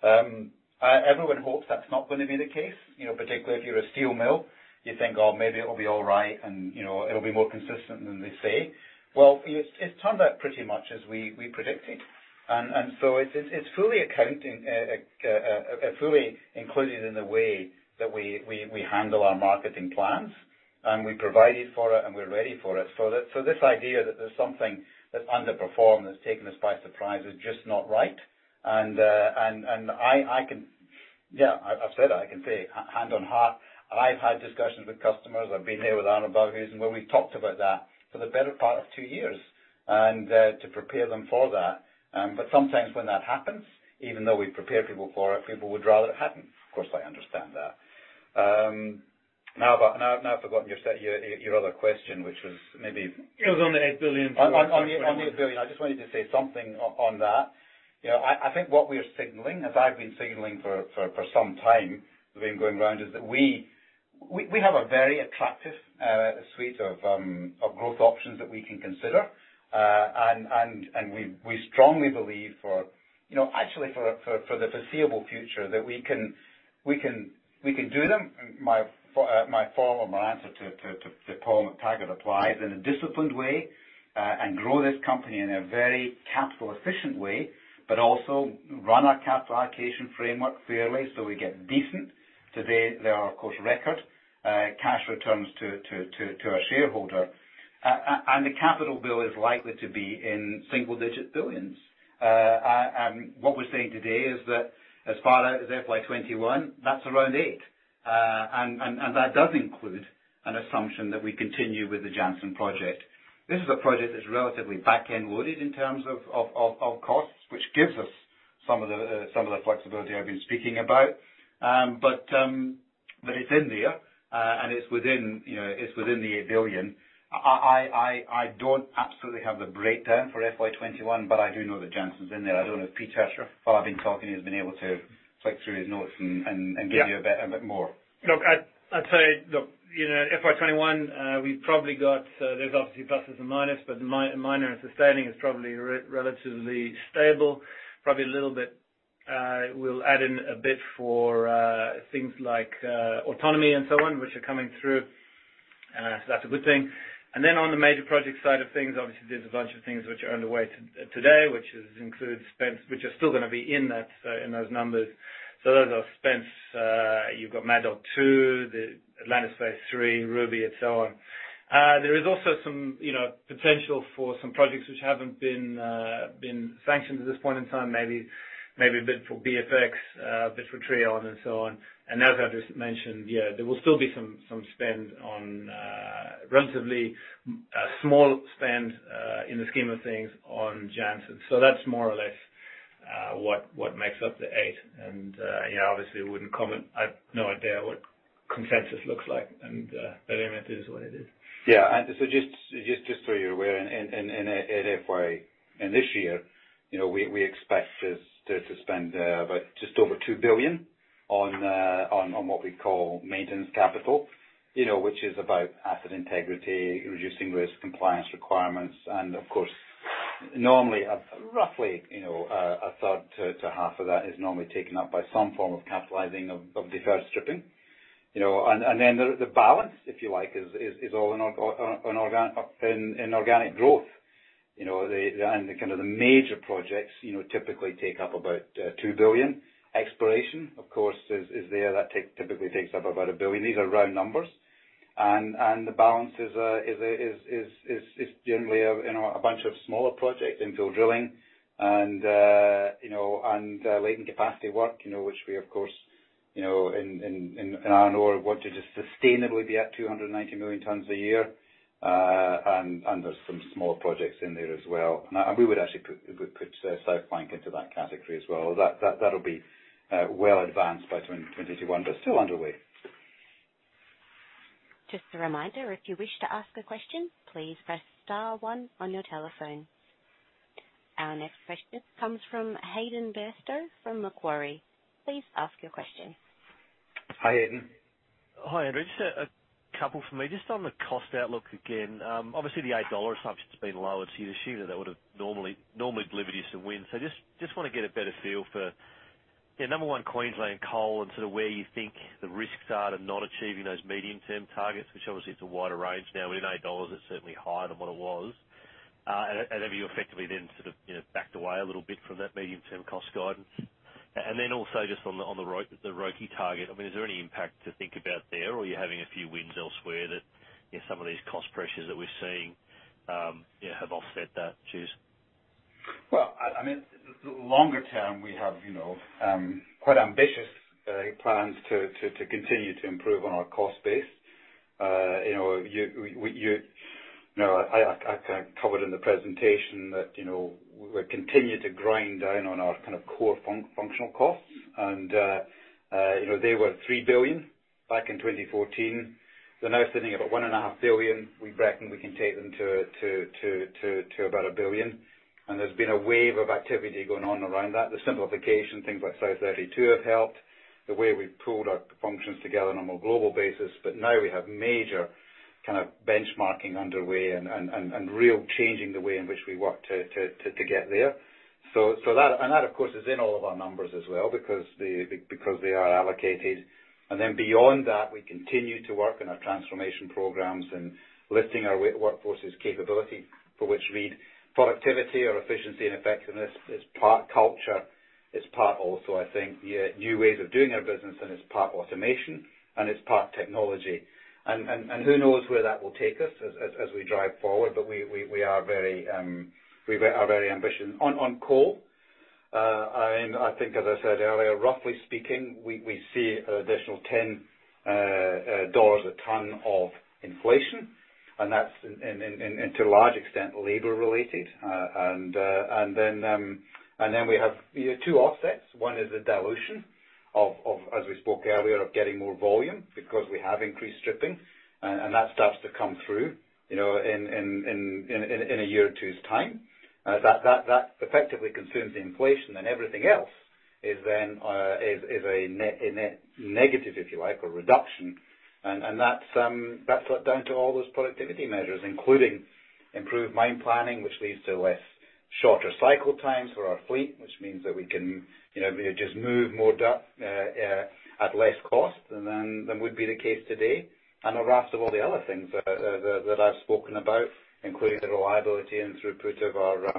Everyone hopes that's not going to be the case. Particularly if you're a steel mill, you think, "Oh, maybe it'll be all right, and it'll be more consistent than they say." Well, it's turned out pretty much as we predicted. So it's fully accounting, fully included in the way that we handle our marketing plans. We provided for it and we're ready for it. This idea that there's something that's underperformed, that's taken us by surprise is just not right. I've said it. I can say hand on heart, I've had discussions with customers. I've been here with Arnoud Balhuizen, and where we've talked about that for the better part of two years, and to prepare them for that. Sometimes when that happens, even though we prepare people for it, people would rather it hadn't. Of course, I understand that. I've forgotten your other question. It was on the $8 billion. On the $8 billion. I just wanted to say something on that. I think what we are signaling, as I've been signaling for some time when going around, is that we have a very attractive suite of growth options that we can consider. We strongly believe, actually for the foreseeable future, that we can do them. My follow or my answer to Paul McTaggart applies in a disciplined way, and grow this company in a very capital-efficient way, but also run our capital allocation framework fairly so we get decent, today they are, of course, record cash returns to our shareholder. The capital bill is likely to be in single-digit billions. What we're saying today is that as far out as FY 2021, that's around 8. That does include an assumption that we continue with the Jansen project. This is a project that's relatively back-end loaded in terms of costs, which gives us some of the flexibility I've been speaking about. It's in there, and it's within the $8 billion. I don't absolutely have the breakdown for FY 2021, but I do know that Jansen's in there. I don't know if Peter, while I've been talking, he's been able to flick through his notes and give you a bit more. I'd say, FY 2021, we've probably got, there's obviously pluses and minus, but the miner and sustaining is probably relatively stable. Probably a little bit, we'll add in a bit for things like autonomy and so on, which are coming through. That's a good thing. On the major project side of things, obviously, there's a bunch of things which are underway today, which includes Spence, which are still going to be in those numbers. Those are Spence. You've got Mad Dog 2, the Atlantis Phase 3, Ruby, and so on. There is also some potential for some projects which haven't been sanctioned at this point in time. Maybe a bit for BFX, a bit for Trion, and so on. As I've just mentioned, there will still be some spend on, relatively small spend in the scheme of things, on Jansen. That's more or less. What makes up the eight? Obviously we wouldn't comment. I have no idea what consensus looks like, and that is what it is. Yeah. Just so you're aware, in FY, in this year, we expect to spend about just over $2 billion on what we call maintenance capital, which is about asset integrity, reducing risk compliance requirements, and of course, normally, roughly a third to half of that is normally taken up by some form of capitalizing of deferred stripping. The balance, if you like, is all in organic growth. The major projects typically take up about $2 billion. Exploration, of course, is there. That typically takes up about $1 billion. These are round numbers. The balance is generally a bunch of smaller projects in field drilling and latent capacity work, which we, of course, in Iron Ore want to just sustainably be at 290 million tons a year. There's some small projects in there as well. We would actually put South Flank into that category as well. That'll be well advanced by 2021, but still underway. Just a reminder, if you wish to ask a question, please press star one on your telephone. Our next question comes from Hayden Bairstow from Macquarie. Please ask your question. Hi, Hayden. Hi, Andrew. Just a couple from me. Just on the cost outlook again. The $8 assumption's been lowered, so you're assuming that would've normally delivered you some wins. Just want to get a better feel for, number one, Queensland Coal, and sort of where you think the risks are to not achieving those medium-term targets, which obviously it's a wider range now, but in $8 it's certainly higher than what it was. Have you effectively sort of backed away a little bit from that medium-term cost guidance? Also just on the ROCE target, I mean, is there any impact to think about there, or are you having a few wins elsewhere that some of these cost pressures that we're seeing have offset that? Cheers. Well, longer term we have quite ambitious plans to continue to improve on our cost base. I covered in the presentation that we'll continue to grind down on our core functional costs, and they were $3 billion back in 2014. They're now sitting at about $1.5 billion. We reckon we can take them to about $1 billion. There's been a wave of activity going on around that. The simplification, things like South32 have helped, the way we've pulled our functions together on a more global basis. Now we have major benchmarking underway and real changing the way in which we work to get there. That, of course, is in all of our numbers as well because they are allocated. Beyond that, we continue to work on our transformation programs and lifting our workforce's capability for which productivity or efficiency and effectiveness. It's part culture. It's part also, I think, new ways of doing our business, and it's part automation and it's part technology. Who knows where that will take us as we drive forward, but we are very ambitious. On coal, I think as I said earlier, roughly speaking, we see additional $10 a ton of inflation, and that's to a large extent labor related. We have two offsets. One is the dilution of, as we spoke earlier, of getting more volume because we have increased stripping, and that starts to come through in a year or two's time. That effectively consumes the inflation, and everything else is a net negative, if you like, or reduction. That's down to all those productivity measures, including improved mine planning, which leads to less shorter cycle times for our fleet, which means that we can just move more dirt at less cost than would be the case today. A raft of all the other things that I've spoken about, including the reliability and throughput of our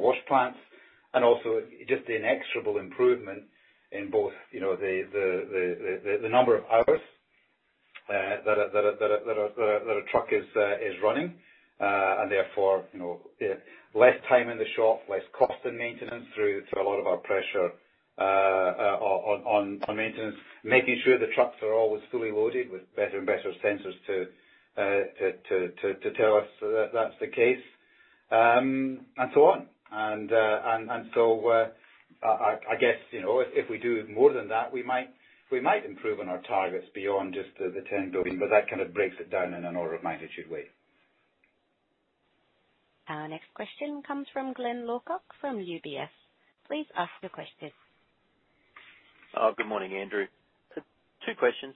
wash plants, and also just the inexorable improvement in both the number of hours that a truck is running, and therefore, less time in the shop, less cost in maintenance through a lot of our pressure on maintenance, making sure the trucks are always fully loaded with better and better sensors to tell us that that's the case, and so on. I guess if we do more than that, we might improve on our targets beyond just the $10 billion, but that kind of breaks it down in an order of magnitude way. Our next question comes from Glyn Lawcock from UBS. Please ask your question. Good morning, Andrew. Two questions.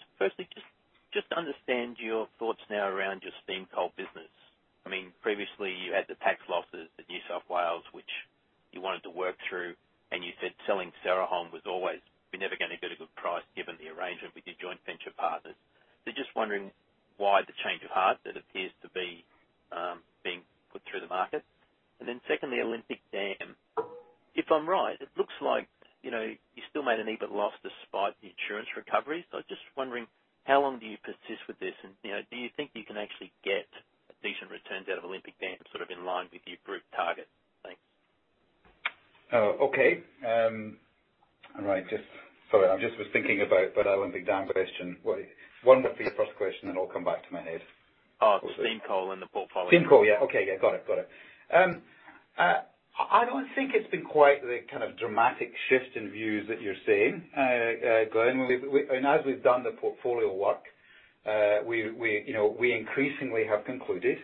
Just to understand your thoughts now around your steam coal business. Previously you had the tax losses at New South Wales, which you wanted to work through, you said selling Saraji was always, you're never going to get a good price given the arrangement with your joint venture partners. Just wondering why the change of heart that appears to be being put through the market. Secondly, Olympic Dam. If I'm right, it looks like you still made an EBT loss despite the insurance recovery. Just wondering how long do you persist with this? Do you think you can actually get decent returns out of Olympic Dam, sort of in line with your group target? Okay. All right. Sorry, I just was thinking about the Olympic Dam question. One of the first questions, and I'll come back to my head. Oh, the steam coal and the portfolio. Steam coal. Yeah. Okay. Got it. I don't think it's been quite the kind of dramatic shift in views that you're seeing, Glyn. As we've done the portfolio work, we increasingly have concluded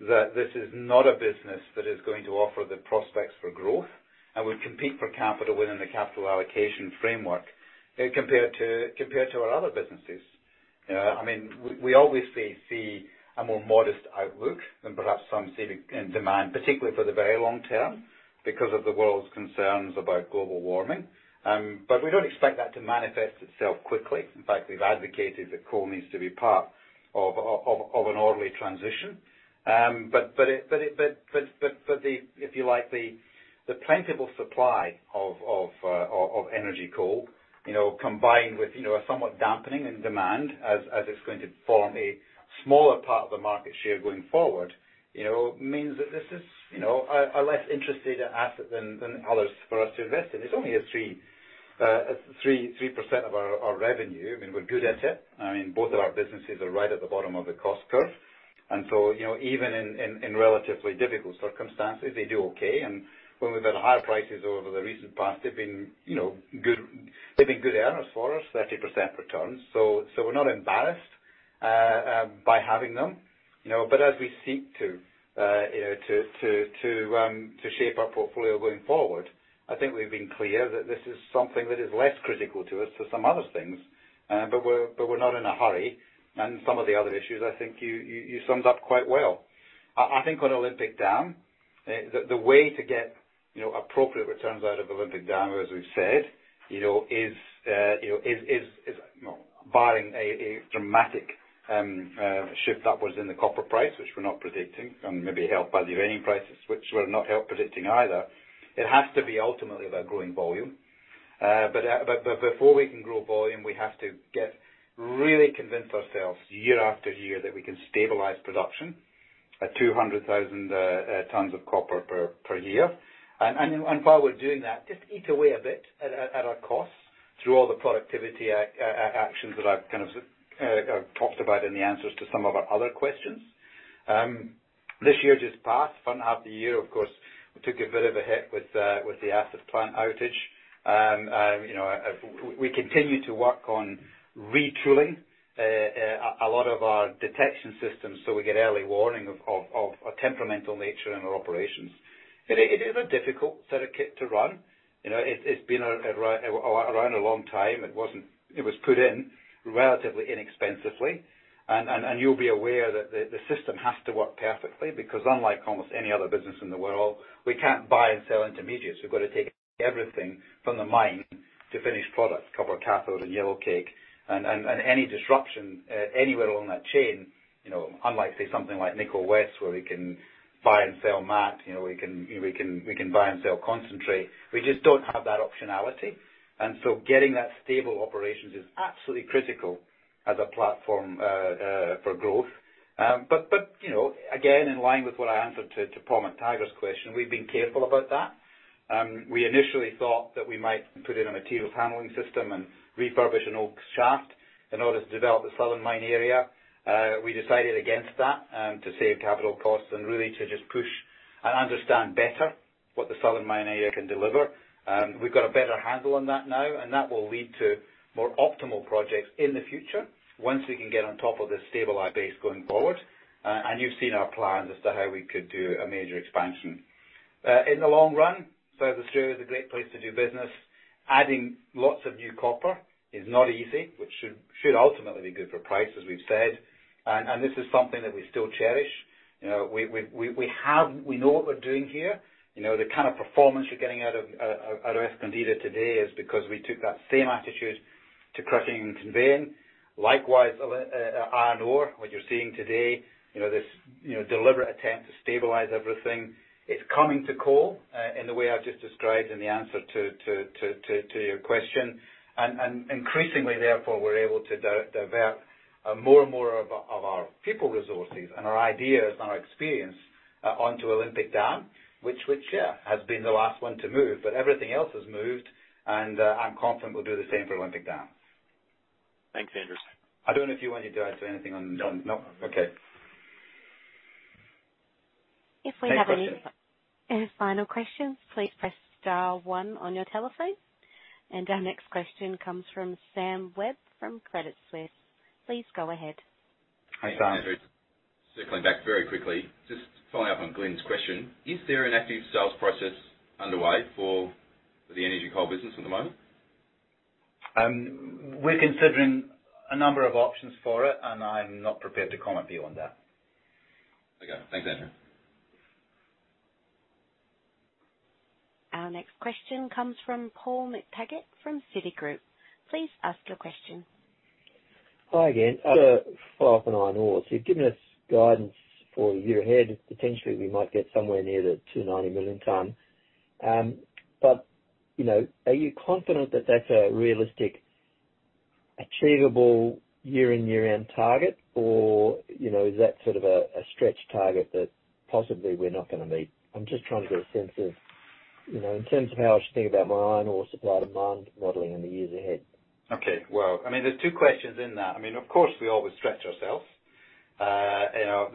that this is not a business that is going to offer the prospects for growth and would compete for capital within the capital allocation framework compared to our other businesses. We obviously see a more modest outlook than perhaps some see in demand, particularly for the very long term, because of the world's concerns about global warming. We don't expect that to manifest itself quickly. In fact, we've advocated that coal needs to be part of an orderly transition. If you like, the plentiful supply of energy coal, combined with a somewhat dampening in demand as it's going to form a smaller part of the market share going forward, means that this is a less interesting asset than others for us to invest in. It's only at 3% of our revenue. We're good at it. Both of our businesses are right at the bottom of the cost curve. Even in relatively difficult circumstances, they do okay. When we've had higher prices over the recent past, they've been good earners for us, 30% returns. We're not embarrassed by having them. As we seek to shape our portfolio going forward, I think we've been clear that this is something that is less critical to us than some other things. We're not in a hurry. Some of the other issues, I think you summed up quite well. I think on Olympic Dam, the way to get appropriate returns out of Olympic Dam, as we've said, is barring a dramatic shift upwards in the copper price, which we're not predicting, and maybe helped by the uranium prices, which we're not help predicting either. It has to be ultimately about growing volume. Before we can grow volume, we have to really convince ourselves year after year that we can stabilize production at 200,000 tons of copper per year. While we're doing that, just eat away a bit at our costs through all the productivity actions that I've talked about in the answers to some of our other questions. This year just past, front half of the year, of course, we took a bit of a hit with the acid plant outage. We continue to work on retooling a lot of our detection systems so we get early warning of a temperamental nature in our operations. It is a difficult set of kit to run. It's been around a long time. It was put in relatively inexpensively. You'll be aware that the system has to work perfectly because, unlike almost any other business in the world, we can't buy and sell intermediates. We've got to take everything from the mine to finished product, copper cathode and yellowcake. Any disruption anywhere along that chain, unlike, say, something like Nickel West, where we can buy and sell matte, we can buy and sell concentrate. We just don't have that optionality. Getting that stable operations is absolutely critical as a platform for growth. Again, in line with what I answered to Paul McTaggart's question, we've been careful about that. We initially thought that we might put in a materials handling system and refurbish an old shaft in order to develop the southern mine area. We decided against that to save capital costs and really to just push and understand better what the southern mine area can deliver. We've got a better handle on that now, and that will lead to more optimal projects in the future once we can get on top of this stabilized base going forward. You've seen our plans as to how we could do a major expansion. In the long run, South Australia is a great place to do business. Adding lots of new copper is not easy, which should ultimately be good for price, as we've said. This is something that we still cherish. We know what we're doing here. The kind of performance you're getting out of Escondida today is because we took that same attitude to crushing and conveying. Likewise, iron ore, what you're seeing today, this deliberate attempt to stabilize everything. It's coming to coal in the way I've just described in the answer to your question. Increasingly, therefore, we're able to divert more and more of our people resources and our ideas and our experience onto Olympic Dam, which, yeah, has been the last one to move. Everything else has moved, and I'm confident we'll do the same for Olympic Dam. Thanks, Andrew. I don't know if you wanted to add to anything on. No. No? Okay. If we have any final questions, please press star one on your telephone. Our next question comes from Sam Webb from Credit Suisse. Please go ahead. Hi, Sam. Hi, Andrew. Circling back very quickly, just following up on Glyn's question, is there an active sales process underway for the energy coal business at the moment? We're considering a number of options for it, and I'm not prepared to comment beyond that. Okay. Thanks, Andrew. Our next question comes from Paul McTaggart from Citigroup. Please ask your question. Hi again. To follow up on iron ore, you've given us guidance for the year ahead. Potentially, we might get somewhere near the 290 million ton. Are you confident that that's a realistic, achievable year-end target, or is that sort of a stretch target that possibly we're not going to meet? I'm just trying to get a sense of, in terms of how I should think about mine ore supply/demand modeling in the years ahead. Okay. Well, there's two questions in that. Of course, we always stretch ourselves.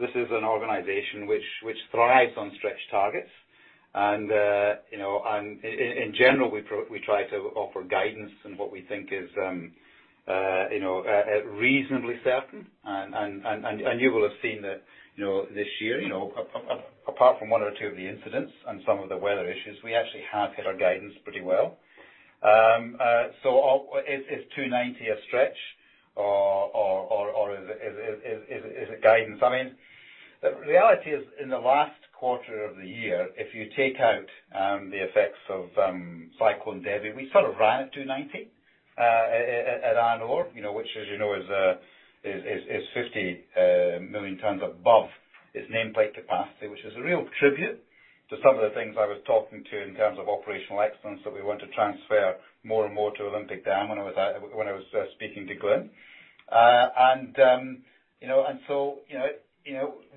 This is an organization which thrives on stretched targets. In general, we try to offer guidance in what we think is reasonably certain. You will have seen that this year, apart from one or two of the incidents and some of the weather issues, we actually have hit our guidance pretty well. Is 290 a stretch or is it guidance? The reality is, in the last quarter of the year, if you take out the effects of Cyclone Veronica, we sort of ran at 290 at Iron Ore, which as you know, is 50 million tonnes above its nameplate capacity, which is a real tribute to some of the things I was talking to in terms of operational excellence that we want to transfer more and more to Olympic Dam when I was speaking to Glyn.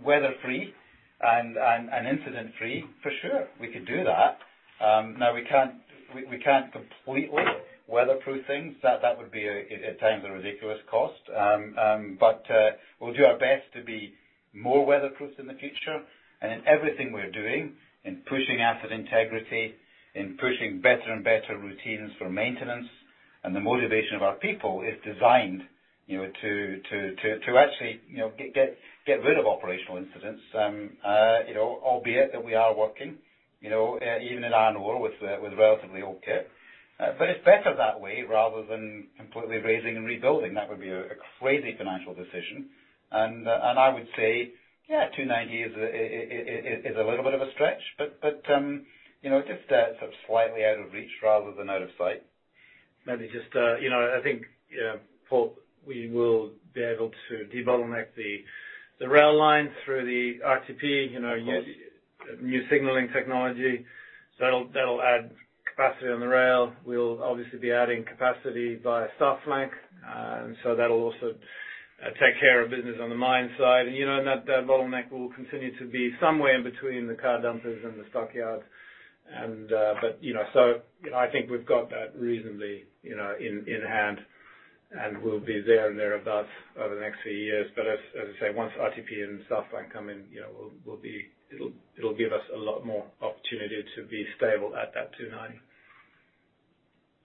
Weather-free and incident-free, for sure, we could do that. We can't completely weather-proof things. That would be at times a ridiculous cost. We'll do our best to be more weather-proofed in the future and in everything we're doing, in pushing asset integrity, in pushing better and better routines for maintenance. The motivation of our people is designed to actually get rid of operational incidents, albeit that we are working even at Iron Ore, which was relatively okay. It's better that way rather than completely razing and rebuilding. That would be a crazy financial decision. I would say, yeah, 290 is a little bit of a stretch, but just slightly out of reach rather than out of sight. Maybe just, I think, Paul, we will be able to debottleneck the rail line through the RTP. Yes new signaling technology. That'll add capacity on the rail. We'll obviously be adding capacity via South Flank, that'll also take care of business on the mine side. That bottleneck will continue to be somewhere in between the car dumpers and the stockyard. I think we've got that reasonably in hand, and we'll be there and thereabouts over the next few years. As I say, once RTP and South Flank come in, it'll give us a lot more opportunity to be stable at that 290.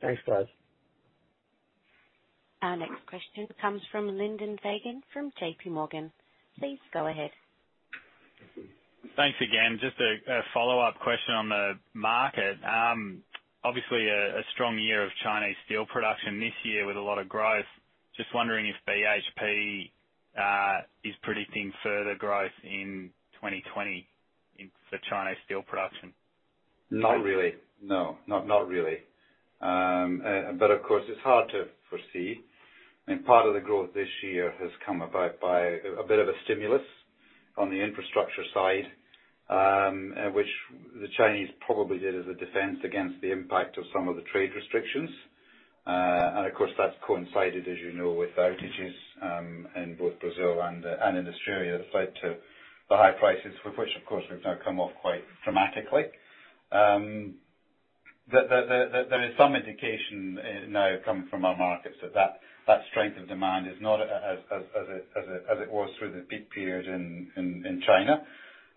Thanks, guys. Our next question comes from Lyndon Fagan from J.P. Morgan. Please go ahead. Thanks again. Just a follow-up question on the market. Obviously, a strong year of Chinese steel production this year with a lot of growth. Just wondering if BHP is predicting further growth in 2020 for Chinese steel production? Not really. No. Not really. Of course, it's hard to foresee. Part of the growth this year has come about by a bit of a stimulus on the infrastructure side, which the Chinese probably did as a defense against the impact of some of the trade restrictions. Of course, that's coincided, as you know, with outages in both Brazil and in Australia that's led to the high prices for which, of course, we've now come off quite dramatically. There is some indication now coming from our markets that strength of demand is not as it was through the peak period in China.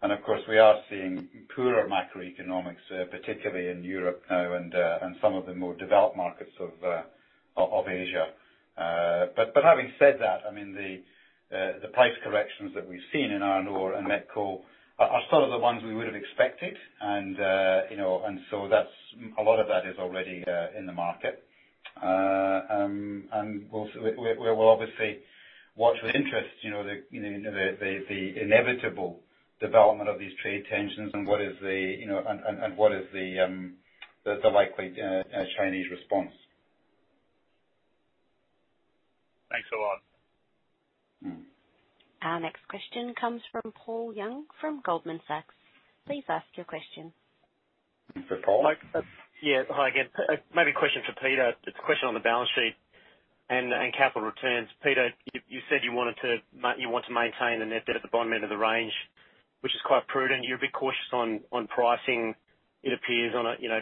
Of course, we are seeing poorer macroeconomics, particularly in Europe now and some of the more developed markets of Asia. Having said that, the price corrections that we've seen in iron ore and Met Coal are sort of the ones we would have expected. A lot of that is already in the market. We'll obviously watch with interest the inevitable development of these trade tensions and what is the likely Chinese response. Thanks a lot. Our next question comes from Paul Young from Goldman Sachs. Please ask your question. Is this Paul? Yeah. Hi again. Maybe a question for Peter. It's a question on the balance sheet and capital returns. Peter, you said you want to maintain the net debt at the bottom end of the range, which is quite prudent. You're a bit cautious on pricing, it appears,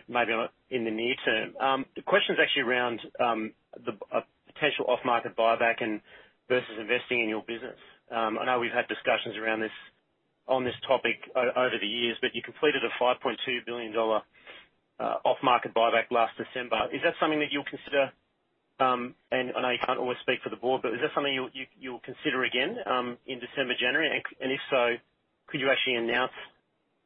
maybe in the near term. The question is actually around a potential off-market buyback versus investing in your business. I know we've had discussions around this on this topic over the years, you completed a $5.2 billion off-market buyback last December. Is that something that you'll consider? I know you can't always speak for the board, but is that something you'll consider again in December, January? If so, could you actually announce,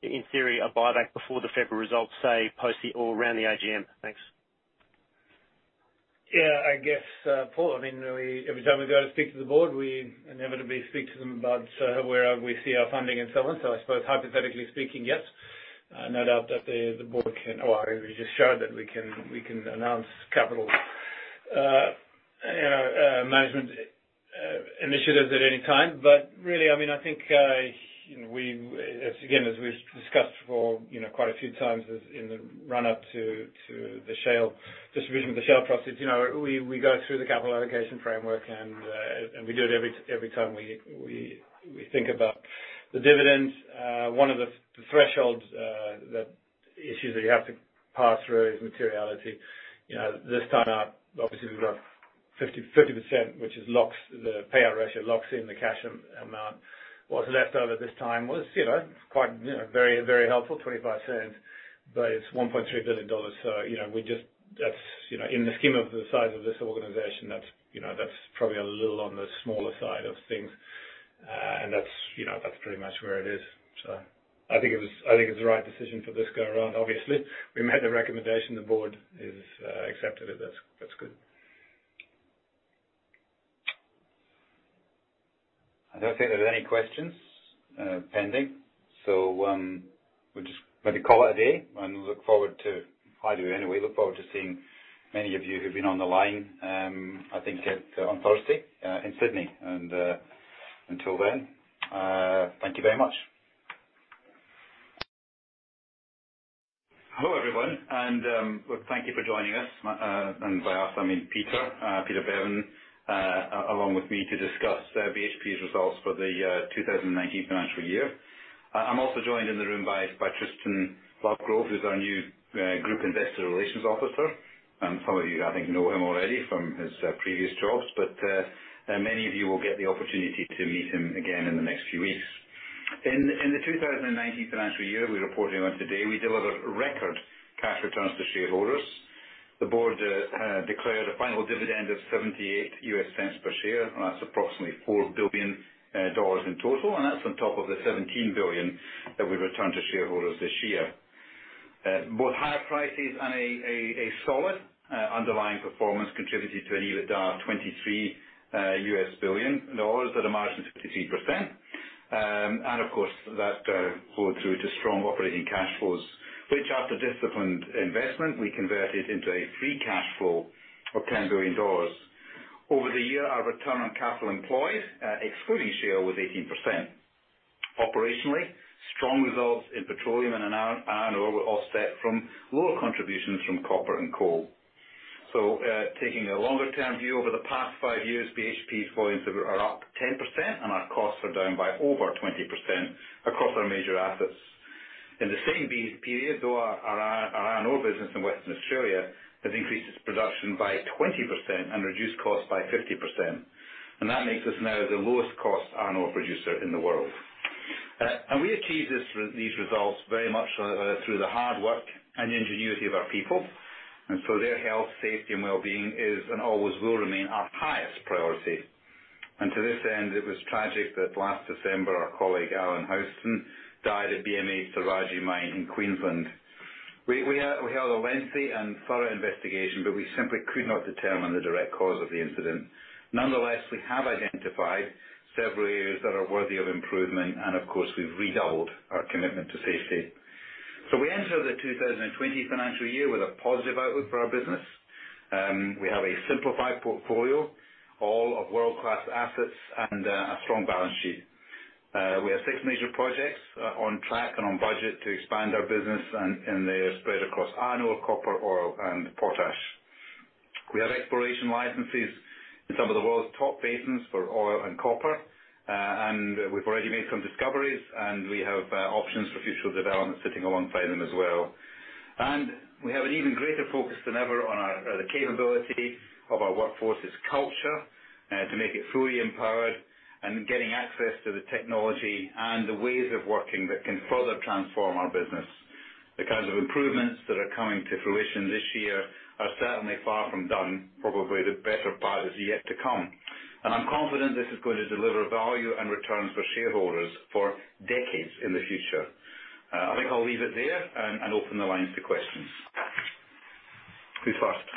in theory, a buyback before the February results, say, post the, or around the AGM? Thanks. Yeah, I guess, Paul, every time we go to speak to the board, we inevitably speak to them about where we see our funding and so on. I suppose hypothetically speaking, yes. No doubt that the board or we just showed that we can announce capital management initiatives at any time. Really, I think as we've discussed for quite a few times in the run-up to the distribution of the share proceeds, we go through the capital allocation framework and we do it every time we think about the dividends. One of the thresholds, issues that you have to pass through is materiality. This time out, obviously, we've got 50% which locks the payout ratio, locks in the cash amount. What's left over this time was very helpful, $0.25, but it's $1.3 billion. In the scheme of the size of this organization, that's probably a little on the smaller side of things. That's pretty much where it is. I think it's the right decision for this go around. Obviously, we made the recommendation. The board has accepted it. That's good. I don't think there's any questions pending. We'll just maybe call it a day, and we look forward to, I do anyway, seeing many of you who've been on the line, I think on Thursday in Sydney. Until then, thank you very much. Hello, everyone, and thank you for joining us. By us I mean Peter Beaven along with me to discuss BHP's results for the 2019 financial year. I'm also joined in the room by Tristan Lovegrove, who's our new Group Investor Relations Officer. Some of you, I think, know him already from his previous jobs. Many of you will get the opportunity to meet him again in the next few weeks. In the 2019 financial year we're reporting on today, we delivered record cash returns to shareholders. The board declared a final dividend of $0.78 per share. That's approximately $4 billion in total. That's on top of the $17 billion that we've returned to shareholders this year. Both higher prices and a solid underlying performance contributed to an EBITDA of $23 billion at a margin of 53%. Of course, that flowed through to strong operating cash flows, which after disciplined investment, we converted into a free cash flow of $10 billion. Over the year, our return on capital employed, excluding share, was 18%. Operationally, strong results in petroleum and iron ore were offset from lower contributions from copper and coal. Taking a longer-term view over the past five years, BHP's volumes are up 10% and our costs are down by over 20% across our major assets. In the same period, though, our iron ore business in Western Australia has increased its production by 20% and reduced costs by 50%. That makes us now the lowest cost iron ore producer in the world. We achieved these results very much through the hard work and ingenuity of our people. Their health, safety, and wellbeing is and always will remain our highest priority. To this end, it was tragic that last December, our colleague Allan Houston died at BMA's Saraji mine in Queensland. We held a lengthy and thorough investigation, but we simply could not determine the direct cause of the incident. Nonetheless, we have identified several areas that are worthy of improvement, and of course, we've redoubled our commitment to safety. We enter the 2020 financial year with a positive outlook for our business. We have a simplified portfolio, all of world-class assets and a strong balance sheet. We have six major projects on track and on budget to expand our business, and they're spread across iron ore, copper, oil, and potash. We have exploration licenses in some of the world's top basins for oil and copper. We've already made some discoveries, and we have options for future development sitting alongside them as well. We have an even greater focus than ever on the capability of our workforce's culture to make it fully empowered and getting access to the technology and the ways of working that can further transform our business. The kinds of improvements that are coming to fruition this year are certainly far from done. Probably the better part is yet to come. I'm confident this is going to deliver value and returns for shareholders for decades in the future. I think I'll leave it there and open the lines to questions. Who's first?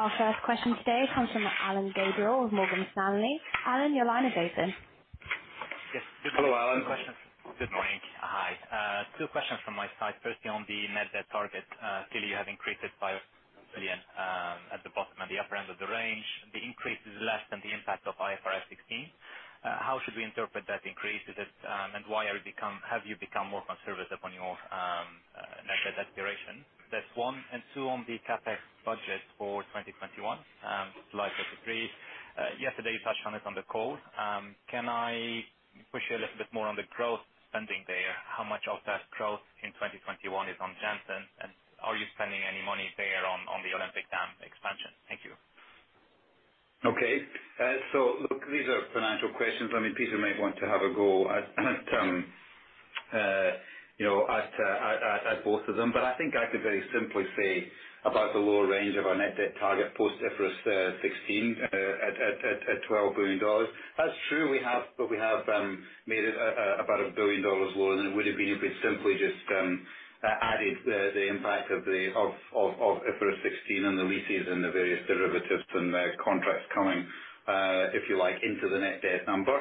Our first question today comes from Alain Gabriel of Morgan Stanley. Alain, your line is open. Yes. Hello, Alain. Any questions? Good morning. Hi. Two questions from my side. Firstly, on the net debt target. Clearly you have increased it by 1 billion at the bottom and the upper end of the range. The increase is less than the impact of IFRS 16. How should we interpret that increase, and why have you become more conservative on your net debt duration? That's one. Two, on the CapEx budget for 2021, slide 33. Yesterday you touched on it on the call. Can I push you a little bit more on the growth spending there? How much of that growth in 2021 is on Jansen, and are you spending any money there on the Olympic Dam expansion? Thank you. Look, these are financial questions. Peter may want to have a go at both of them. I think I could very simply say about the lower range of our net debt target post-IFRS 16 at $12 billion. That's true, we have made it about $1 billion lower than it would have been if we'd simply just added the impact of IFRS 16 and the leases and the various derivatives and the contracts coming, if you like, into the net debt number.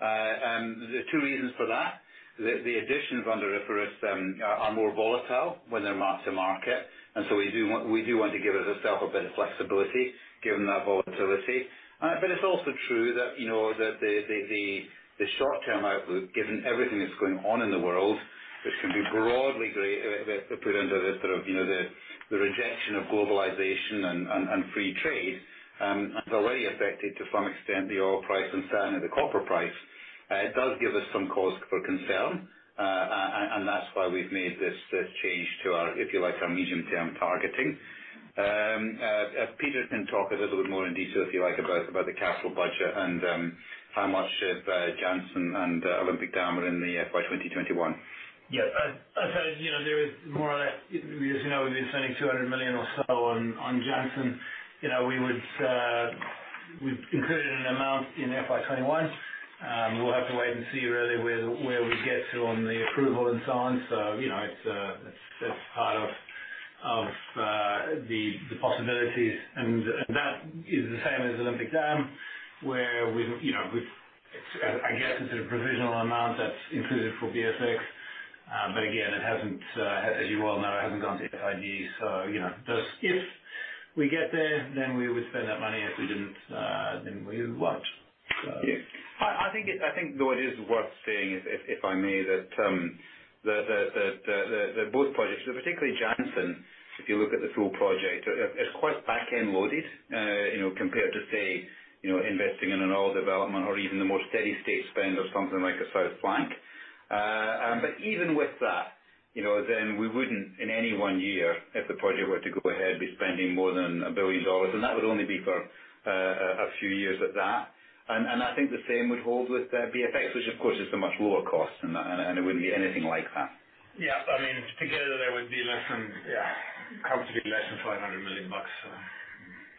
There are two reasons for that. The additions under IFRS are more volatile when they're mark-to-market, and so we do want to give ourself a bit of flexibility given that volatility. It's also true that the short-term outlook, given everything that's going on in the world, which can be broadly put into the rejection of globalization and free trade, has already affected, to some extent, the oil price and certainly the copper price. It does give us some cause for concern, and that's why we've made this change to our, if you like, our medium-term targeting. Peter can talk a little bit more in detail, if you like, about the capital budget and how much of Jansen and Olympic Dam are in the FY 2021. Yeah. As you know, we're spending $200 million or so on Jansen. We've included an amount in FY 2021. We'll have to wait and see really where we get to on the approval and so on. That's part of the possibilities, and that is the same as Olympic Dam, where I guess it's a provisional amount that's included for BFX, but again, as you well know, it hasn't gone to FID. If we get there, then we would spend that money. If we didn't, then we wouldn't. Yeah. I think, though, it is worth saying, if I may, that both projects, particularly Jansen, if you look at the full project, it's quite back-end loaded compared to, say, investing in an oil development or even the more steady state spend of something like a South Flank. Even with that, we wouldn't, in any one year, if the project were to go ahead, be spending more than $1 billion, and that would only be for a few years at that. I think the same would hold with BFX, which of course is a much lower cost, and it wouldn't be anything like that. Yeah. Together there would be comfortably less than $500 million.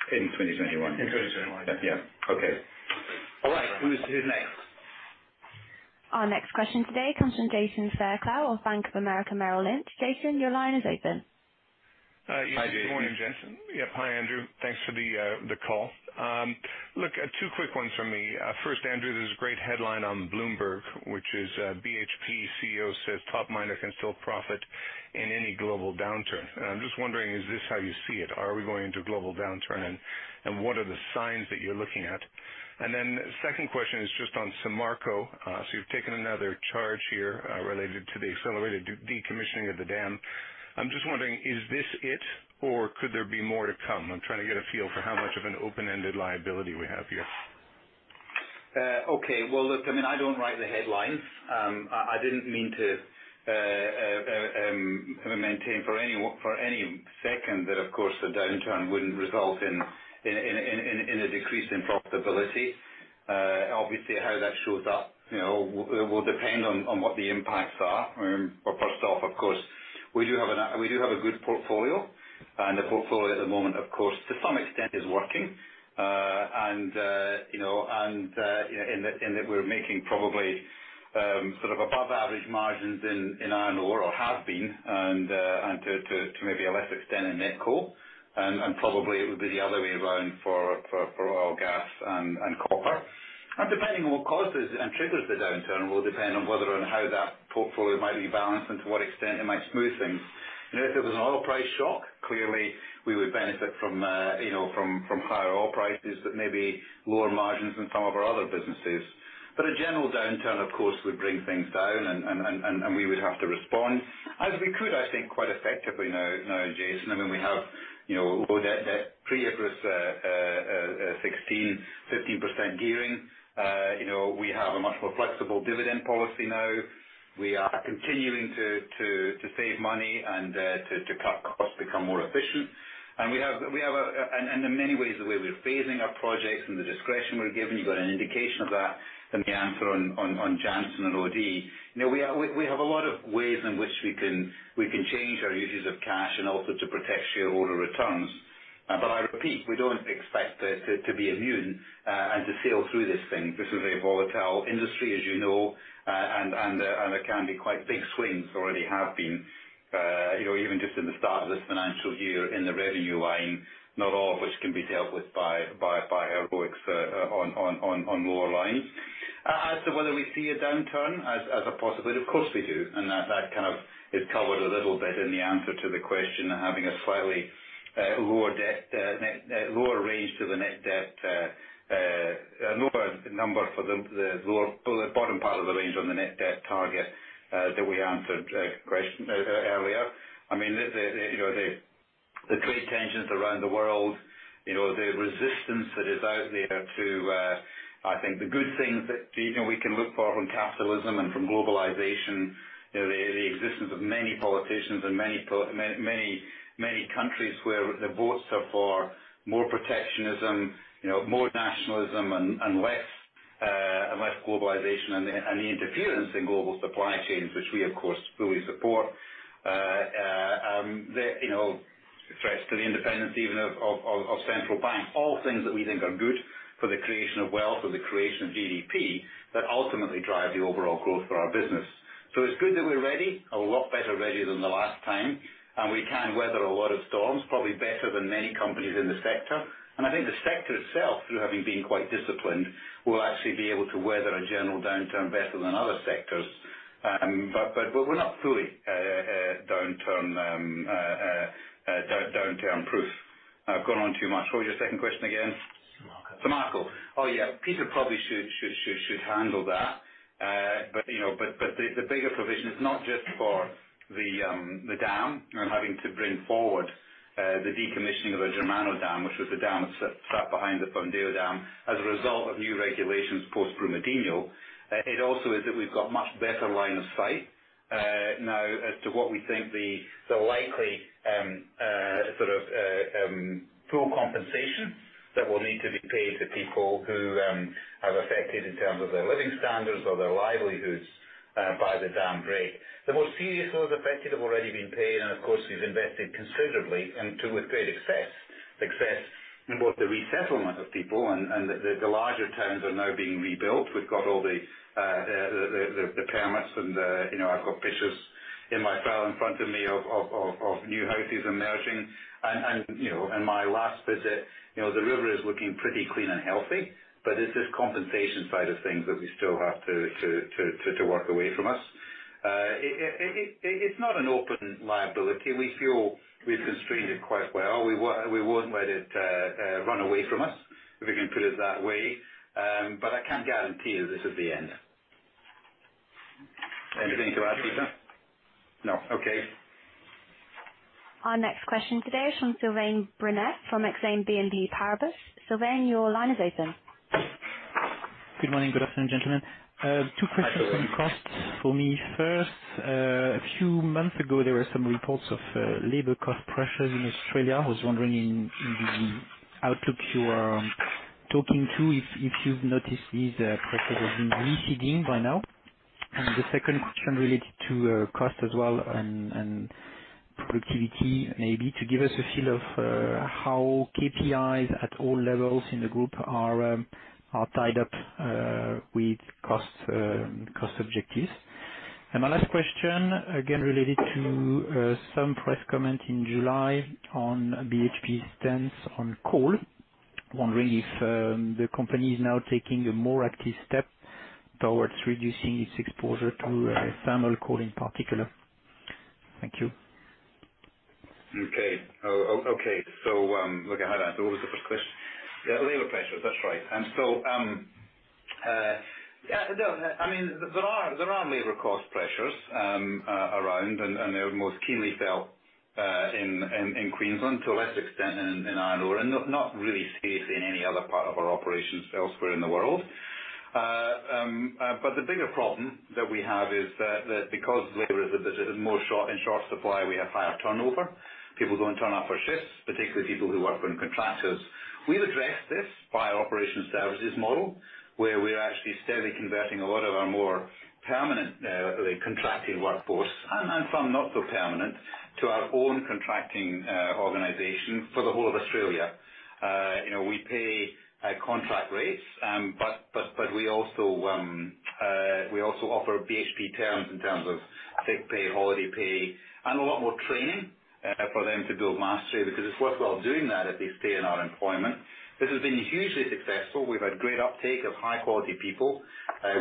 In 2021. In 2021. Yeah. Okay. All right. Who's next? Our next question today comes from Jason Fairclough of Bank of America Merrill Lynch. Jason, your line is open. Hi, Jason. Good morning, Jason. Yep. Hi, Andrew. Thanks for the call. Look, two quick ones from me. First, Andrew, there's a great headline on Bloomberg, which is, "BHP CEO Says Top miner Can Still Profit in Any Global Downturn." I'm just wondering, is this how you see it? Are we going into a global downturn, and what are the signs that you're looking at? Then second question is just on Samarco. You've taken another charge here related to the accelerated decommissioning of the dam. I'm just wondering, is this it, or could there be more to come? I'm trying to get a feel for how much of an open-ended liability we have here. Okay. Well, look, I don't write the headlines. I didn't mean to maintain for any one second that, of course, the downturn wouldn't result in a decrease in profitability. Obviously, how that shows up will depend on what the impacts are. First off, of course, we do have a good portfolio, and the portfolio at the moment, of course, to some extent is working, in that we're making probably above-average margins in iron ore, or have been, and to maybe a lesser extent in Met Coal, and probably it would be the other way around for oil and gas and copper. Depending on what causes and triggers the downturn will depend on whether and how that portfolio might be balanced and to what extent it might smooth things. If it was an oil price shock, clearly we would benefit from higher oil prices, but maybe lower margins in some of our other businesses. A general downturn, of course, would bring things down, and we would have to respond, as we could, I think, quite effectively now, Jason. I mean, we have low debt, pre across IFRS 16, 15% gearing. We have a much more flexible dividend policy now. We are continuing to save money and to cut costs to become more efficient. In many ways, the way we're phasing our projects and the discretion we're given, you got an indication of that in the answer on Jansen and Oyu Tolgoi. We have a lot of ways in which we can change our uses of cash and also to protect shareholder returns. I repeat, we don't expect to be immune and to sail through this thing. This is a very volatile industry, as you know, and there can be quite big swings, already have been, even just in the start of this financial year in the revenue line, not all of which can be dealt with by our works on lower lines. As to whether we see a downturn as a possibility, of course we do, and that is covered a little bit in the answer to the question of having a slightly lower range to the net debt, a lower number for the bottom part of the range on the net debt target that we answered earlier. The trade tensions around the world, the resistance that is out there to, I think, the good things that we can look for from capitalism and from globalization, the existence of many politicians in many countries where the votes are for more protectionism, more nationalism, and less globalization and the interference in global supply chains, which we, of course, fully support. Threats to the independence even of central banks. All things that we think are good for the creation of wealth, creation of GDP that ultimately drive the overall growth for our business. It's good that we're ready, a lot better ready than the last time, and we can weather a lot of storms, probably better than many companies in the sector. I think the sector itself, through having been quite disciplined, will actually be able to weather a general downturn better than other sectors. We're not fully downturn-proof. I've gone on too much. What was your second question again? Samarco. Samarco. Oh, yeah. Peter probably should handle that. The bigger provision is not just for the dam and having to bring forward the decommissioning of the Germano dam, which was the dam that sat behind the Fundão dam as a result of new regulations post-Brumadinho. It also is that we've got a much better line of sight now as to what we think the likely full compensation that will need to be paid to people who have affected in terms of their living standards or their livelihoods by the dam break. The most serious ones affected have already been paid, and of course, we've invested considerably and to with great success in both the resettlement of people and the larger towns are now being rebuilt. We've got all the permits and I've got pictures in my file in front of me of new houses emerging. In my last visit, the river is looking pretty clean and healthy, it's this compensation side of things that we still have to work away from us. It is not an open liability. We feel we've constrained it quite well. We won't let it run away from us, if we can put it that way. I can't guarantee you this is the end. Anything to add, Peter? No. Okay. Our next question today is from Sylvain Brunet from Exane BNP Paribas. Sylvain, your line is open. Good morning. Good afternoon, gentlemen. Hi, Sylvain. Two questions on costs for me. First, a few months ago, there were some reports of labor cost pressures in Australia. I was wondering in the outlook you are talking to, if you've noticed these pressures have been receding by now. The second question related to cost as well and productivity, maybe to give us a feel of how KPIs at all levels in the group are tied up with cost objectives. My last question, again, related to some press comment in July on BHP stance on coal. Wondering if the company is now taking a more active step towards reducing its exposure to thermal coal in particular. Thank you. Okay. Look, I have that. What was the first question? Yeah, labor pressures. That's right. There are labor cost pressures around and they're most keenly felt in Queensland, to a less extent in Iron Ore. Not really seen in any other part of our operations elsewhere in the world. The bigger problem that we have is that because labor is a bit more in short supply, we have higher turnover. People don't turn up for shifts, particularly people who work for contractors. We've addressed this by Operations Services model, where we're actually steadily converting a lot of our more permanent contracting workforce, and some not so permanent, to our own contracting organization for the whole of Australia. We pay contract rates, we also offer BHP terms in terms of sick pay, holiday pay, and a lot more training for them to build mastery because it is worthwhile doing that if they stay in our employment. This has been hugely successful. We have had great uptake of high-quality people.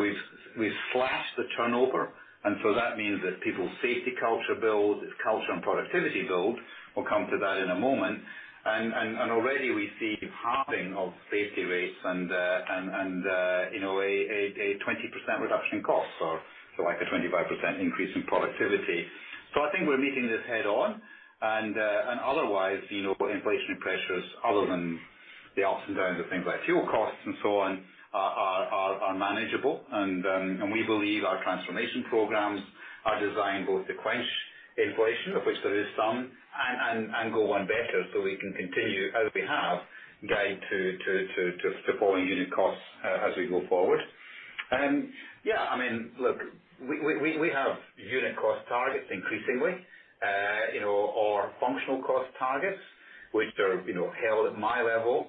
We have slashed the turnover, that means that people's safety culture build, its culture and productivity build. We will come to that in a moment. Already we see halving of safety rates and a 20% reduction in costs or like a 25% increase in productivity. I think we are meeting this head-on. Otherwise, inflation pressures other than the ups and downs of things like fuel costs and so on are manageable. We believe our transformation programs are designed both to quench inflation, of which there is some, and go one better, so we can continue as we have guide to falling unit costs as we go forward. Yeah, look, we have unit cost targets increasingly, or functional cost targets, which are held at my level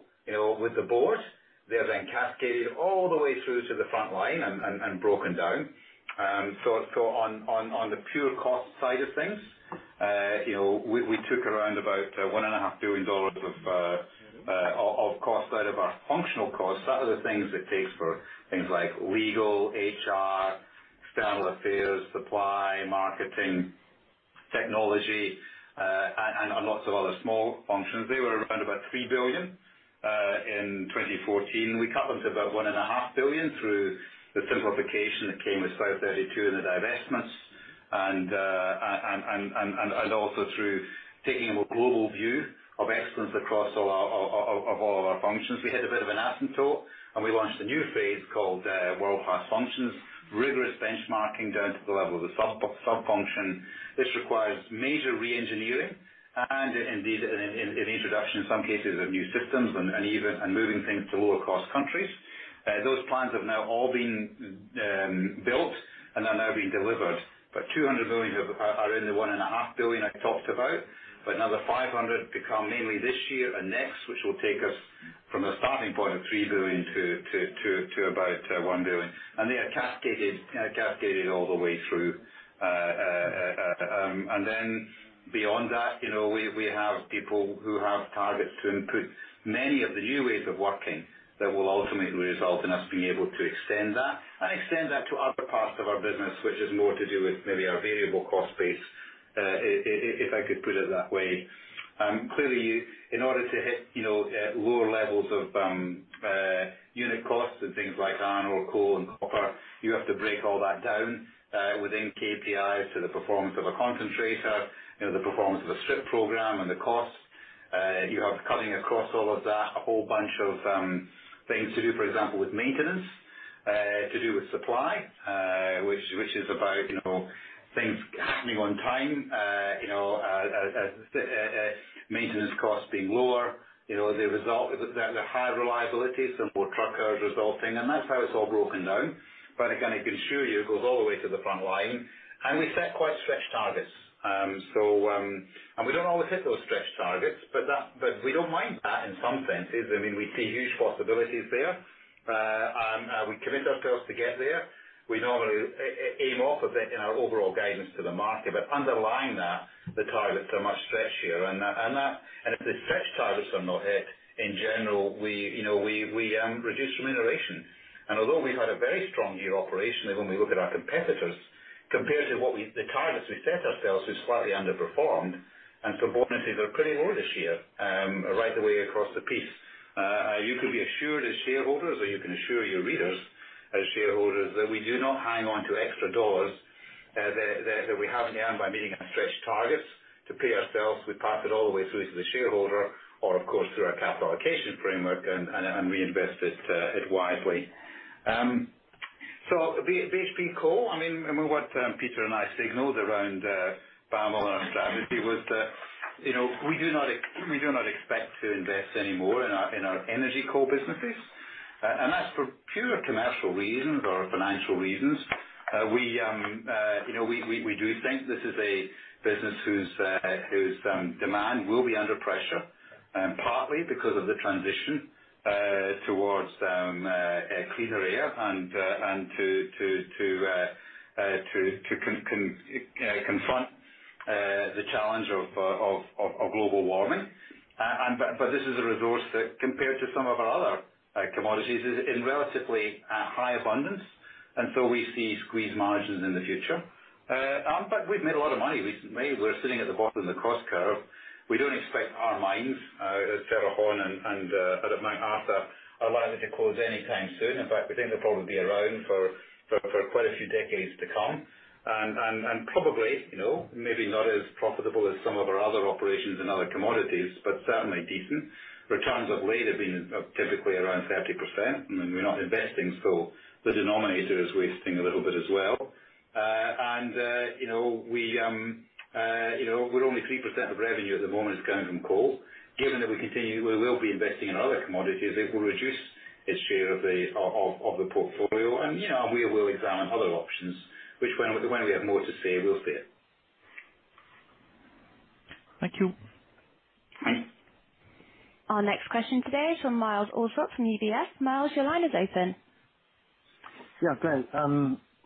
with the board. They're then cascaded all the way through to the front line and broken down. On the pure cost side of things, we took around about $1.5 billion of cost out of our functional costs. That are the things it takes for things like legal, HR, external affairs, supply, marketing, technology, and lots of other small functions. They were around about $3 billion in 2014. We cut them to about $1.5 billion through the simplification that came with South32 and the divestments, also through taking a more global view of excellence across all of our functions. We had a bit of an ask and talk, we launched a new phase called World Class Functions, rigorous benchmarking down to the level of the sub-function. This requires major re-engineering and indeed, an introduction in some cases of new systems and even moving things to lower-cost countries. Those plans have now all been built and are now being delivered. $200 million are in the $1.5 billion I talked about. Another $500 million to come, mainly this year and next, which will take us from a starting point of $3 billion to about $1 billion. They are cascaded all the way through. Beyond that, we have people who have targets to improve many of the new ways of working that will ultimately result in us being able to extend that and extend that to other parts of our business, which is more to do with maybe our variable cost base, if I could put it that way. Clearly, in order to hit lower levels of unit costs and things like iron ore, coal, and copper, you have to break all that down within KPIs to the performance of a concentrator, the performance of a strip program, and the costs. You have cutting across all of that, a whole bunch of things to do, for example, with maintenance, to do with supply, which is about things happening on time, maintenance costs being lower. The high reliability, simple trucks resulting, and that's how it's all broken down. I can assure you, it goes all the way to the front line, and we set quite stretched targets. We don't always hit those stretched targets, but we don't mind that in some senses. We see huge possibilities there. We commit ourselves to get there. We normally aim off of it in our overall guidance to the market. Underlying that, the targets are much stretchier. If the stretched targets are not hit, in general, we reduce remuneration. Although we had a very strong year operationally when we look at our competitors, compared to the targets we set ourselves, we slightly underperformed, and so bonuses are pretty low this year right the way across the piece. You could be assured as shareholders, or you can assure your readers as shareholders that we do not hang on to extra dollars that we have in the end by meeting our stretched targets to pay ourselves. We pass it all the way through to the shareholder or, of course, through our capital allocation framework and reinvest it wisely. BHP Coal, what Peter and I signaled around our strategy was that we do not expect to invest any more in our energy coal businesses. That's for pure commercial reasons or financial reasons. We do think this is a business whose demand will be under pressure, partly because of the transition towards cleaner air and to confront the challenge of global warming. This is a resource that, compared to some of our other commodities, is in relatively high abundance, and so we see squeezed margins in the future. We've made a lot of money. We're sitting at the bottom of the cost curve. We don't expect our mines at Cerrejon and out of Mount Arthur are likely to close anytime soon. In fact, we think they'll probably be around for quite a few decades to come. Probably maybe not as profitable as some of our other operations and other commodities, but certainly decent. Returns of late have been typically around 30%, and we're not investing, so the denominator is wasting a little bit as well. Only 3% of revenue at the moment is coming from coal. Given that we will be investing in other commodities, it will reduce its share of the portfolio. We will examine other options, which when we have more to say, we'll say it. Thank you. Our next question today is from Myles Allsop from UBS. Myles, your line is open. Yeah, great.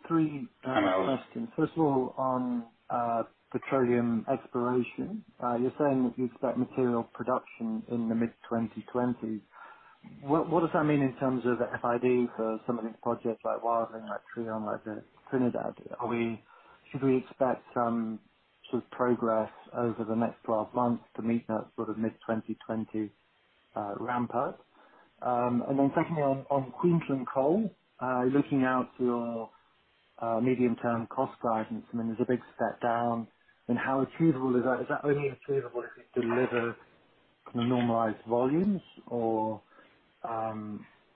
Three questions. First of all, on petroleum exploration. You're saying that you expect material production in the mid-2020s. What does that mean in terms of FID for some of these projects like Wildling, like Trion, like Trinidad? Should we expect some sort of progress over the next 12 months to meet that mid-2020 ramp up? Secondly, on Queensland Coal, looking out to medium-term cost guidance, there's a big step down. How achievable is that? Is that only achievable if we deliver normalized volumes or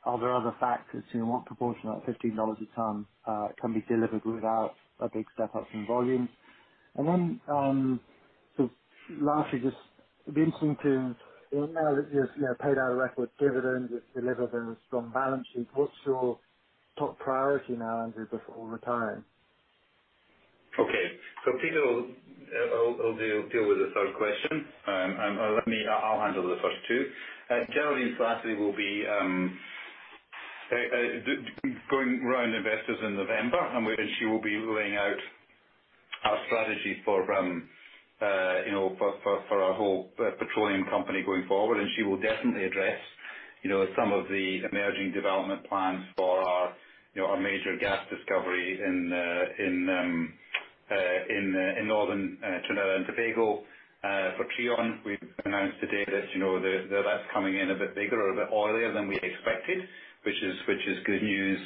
are there other factors to what proportion of that $15 a ton can be delivered without a big step up in volume? Lastly, just it'd be interesting to, now that you've paid out a record dividend, you've delivered a strong balance sheet, what's your top priority now under this overtime? Okay. Peter will deal with the third question. I'll handle the first two. Geraldine Slattery will be going around investors in November, and she will be laying out our strategy for our whole petroleum company going forward, and she will definitely address some of the emerging development plans for our major gas discovery in Northern Trinidad and Tobago. For Trion, we've announced today that that's coming in a bit bigger or a bit oilier than we expected, which is good news.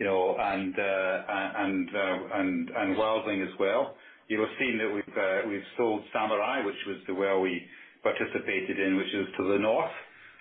Wildling as well. You'll have seen that we've sold Samurai, which was the well we participated in, which is to the north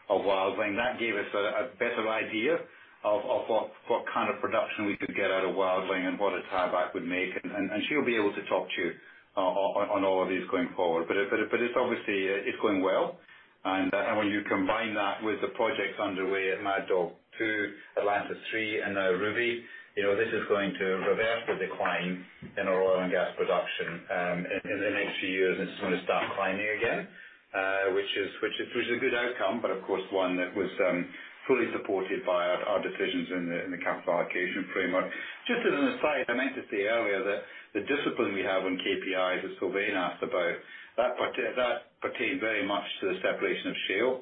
of Wildling. That gave us a better idea of what kind of production we could get out of Wildling tie back with Megan, and she'll be able to talk to you on all of these going forward. It's obviously going well, and when you combine that with the projects underway at Mad Dog 2, Atlantis 3, and now Ruby, this is going to reverse the decline in our oil and gas production. In the next few years, it's going to start climbing again, which is a good outcome, but of course one that was fully supported by our decisions in the capital allocation framework. Just as an aside, I meant to say earlier that the discipline we have on KPIs that Sylvain asked about, that pertains very much to the separation of Shale.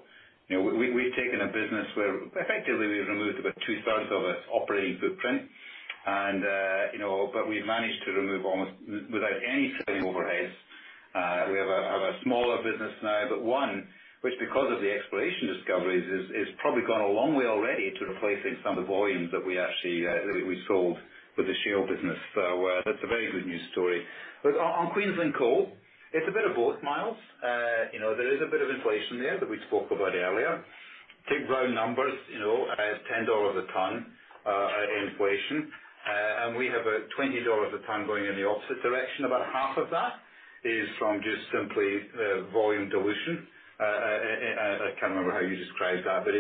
We've taken a business where effectively we've removed about two-thirds of its operating footprint, but we've managed to remove almost without any setting overheads. We have a smaller business now, but one which, because of the exploration discoveries, has probably gone a long way already to replacing some of the volumes that we actually sold with the shale business. That is a very good news story. Look, on Queensland Coal, it is a bit of both, Myles. There is a bit of inflation there that we spoke about earlier. Big round numbers, as $10 a ton in inflation, and we have a $20 a ton going in the opposite direction. About half of that is from just simply volume dilution. I cannot remember how you described that, but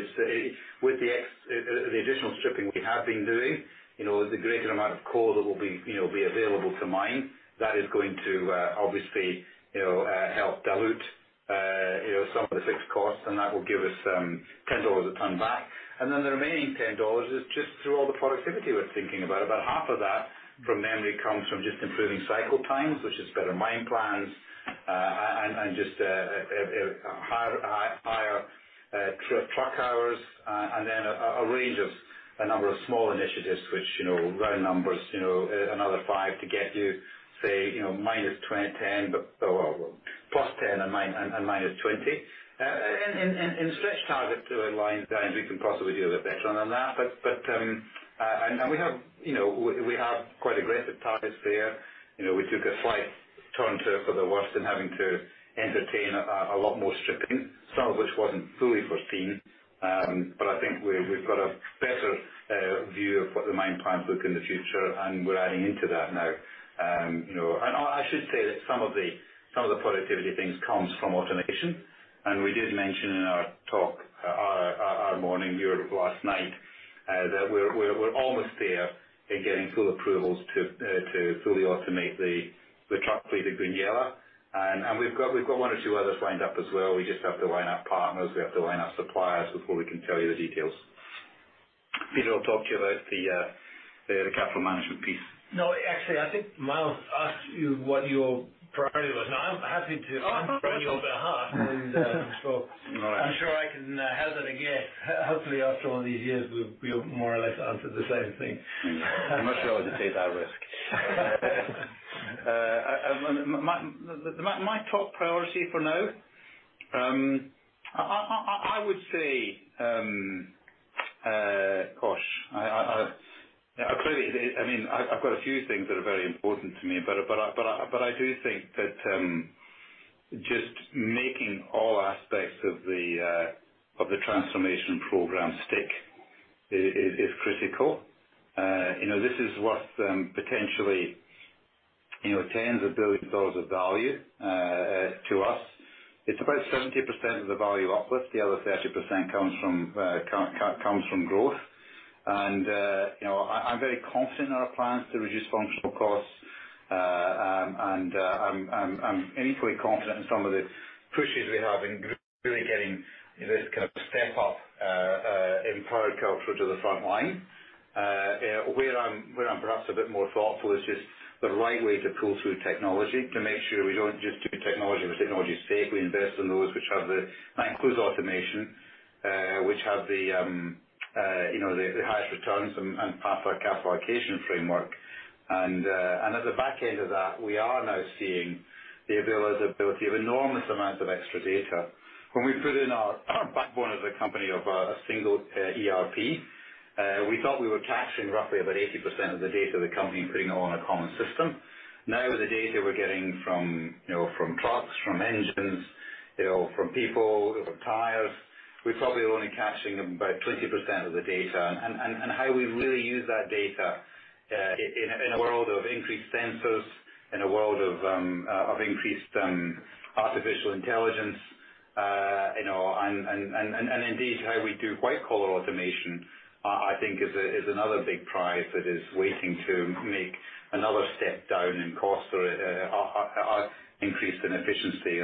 with the additional stripping we have been doing, the greater amount of coal that will be available to mine, that is going to obviously help dilute some of the fixed costs, and that will give us $10 a ton back. The remaining $10 is just through all the productivity we're thinking about. About half of that, from memory, comes from just improving cycle times, which is better mine plans and just higher truck hours, and then a range of a number of small initiatives which, round numbers, another five to get you say +10 and -20. Stretch targets to align that we can possibly do a little better than that. We have quite aggressive targets there. We took a slight turn for the worst in having to entertain a lot more stripping, some of which wasn't fully foreseen. I think we've got a better view of what the mine plans look in the future, and we're adding into that now. I should say that some of the productivity things comes from automation. We did mention in our talk, our morning, your last night, that we're almost there in getting full approvals to fully automate the truck fleet at Goonyella. We've got one or two others lined up as well. We just have to line up partners. We have to line up suppliers before we can tell you the details. Peter will talk to you about the capital management piece. No, actually, I think Myles asked you what your priority was. Now I'm happy to his talk. All right. I'm sure I can handle it again. Hopefully, after all these years, we'll more or less answer the same thing. I'm not sure I would take that risk. My top priority for now, I would say Gosh. Clearly, I've got a few things that are very important to me, but I do think that just making all aspects of the Transformation Program stick is critical. This is worth potentially tens of billion dollars of value to us. It's about 70% of the value uplift. The other 30% comes from growth. I'm very confident in our plans to reduce functional costs, and I'm equally confident in some of the pushes we have in really getting this kind of step up empowered culture to the front line. Where I'm perhaps a bit more thoughtful is just the right way to pull through technology to make sure we don't just do technology for technology's sake. We invest in those which have the highest returns and path our capital allocation framework. At the back end of that, we are now seeing the availability of enormous amounts of extra data. When we put in our backbone as a company of a single ERP, we thought we were capturing roughly about 80% of the data of the company and putting it all on a common system. The data we're getting from trucks, from engines, from people, from tires, we're probably only capturing about 20% of the data. How we really use that data in a world of increased sensors, in a world of increased artificial intelligence, and indeed how we do white-collar automation, I think is another big prize that is waiting to make another step down in cost or increase in efficiency.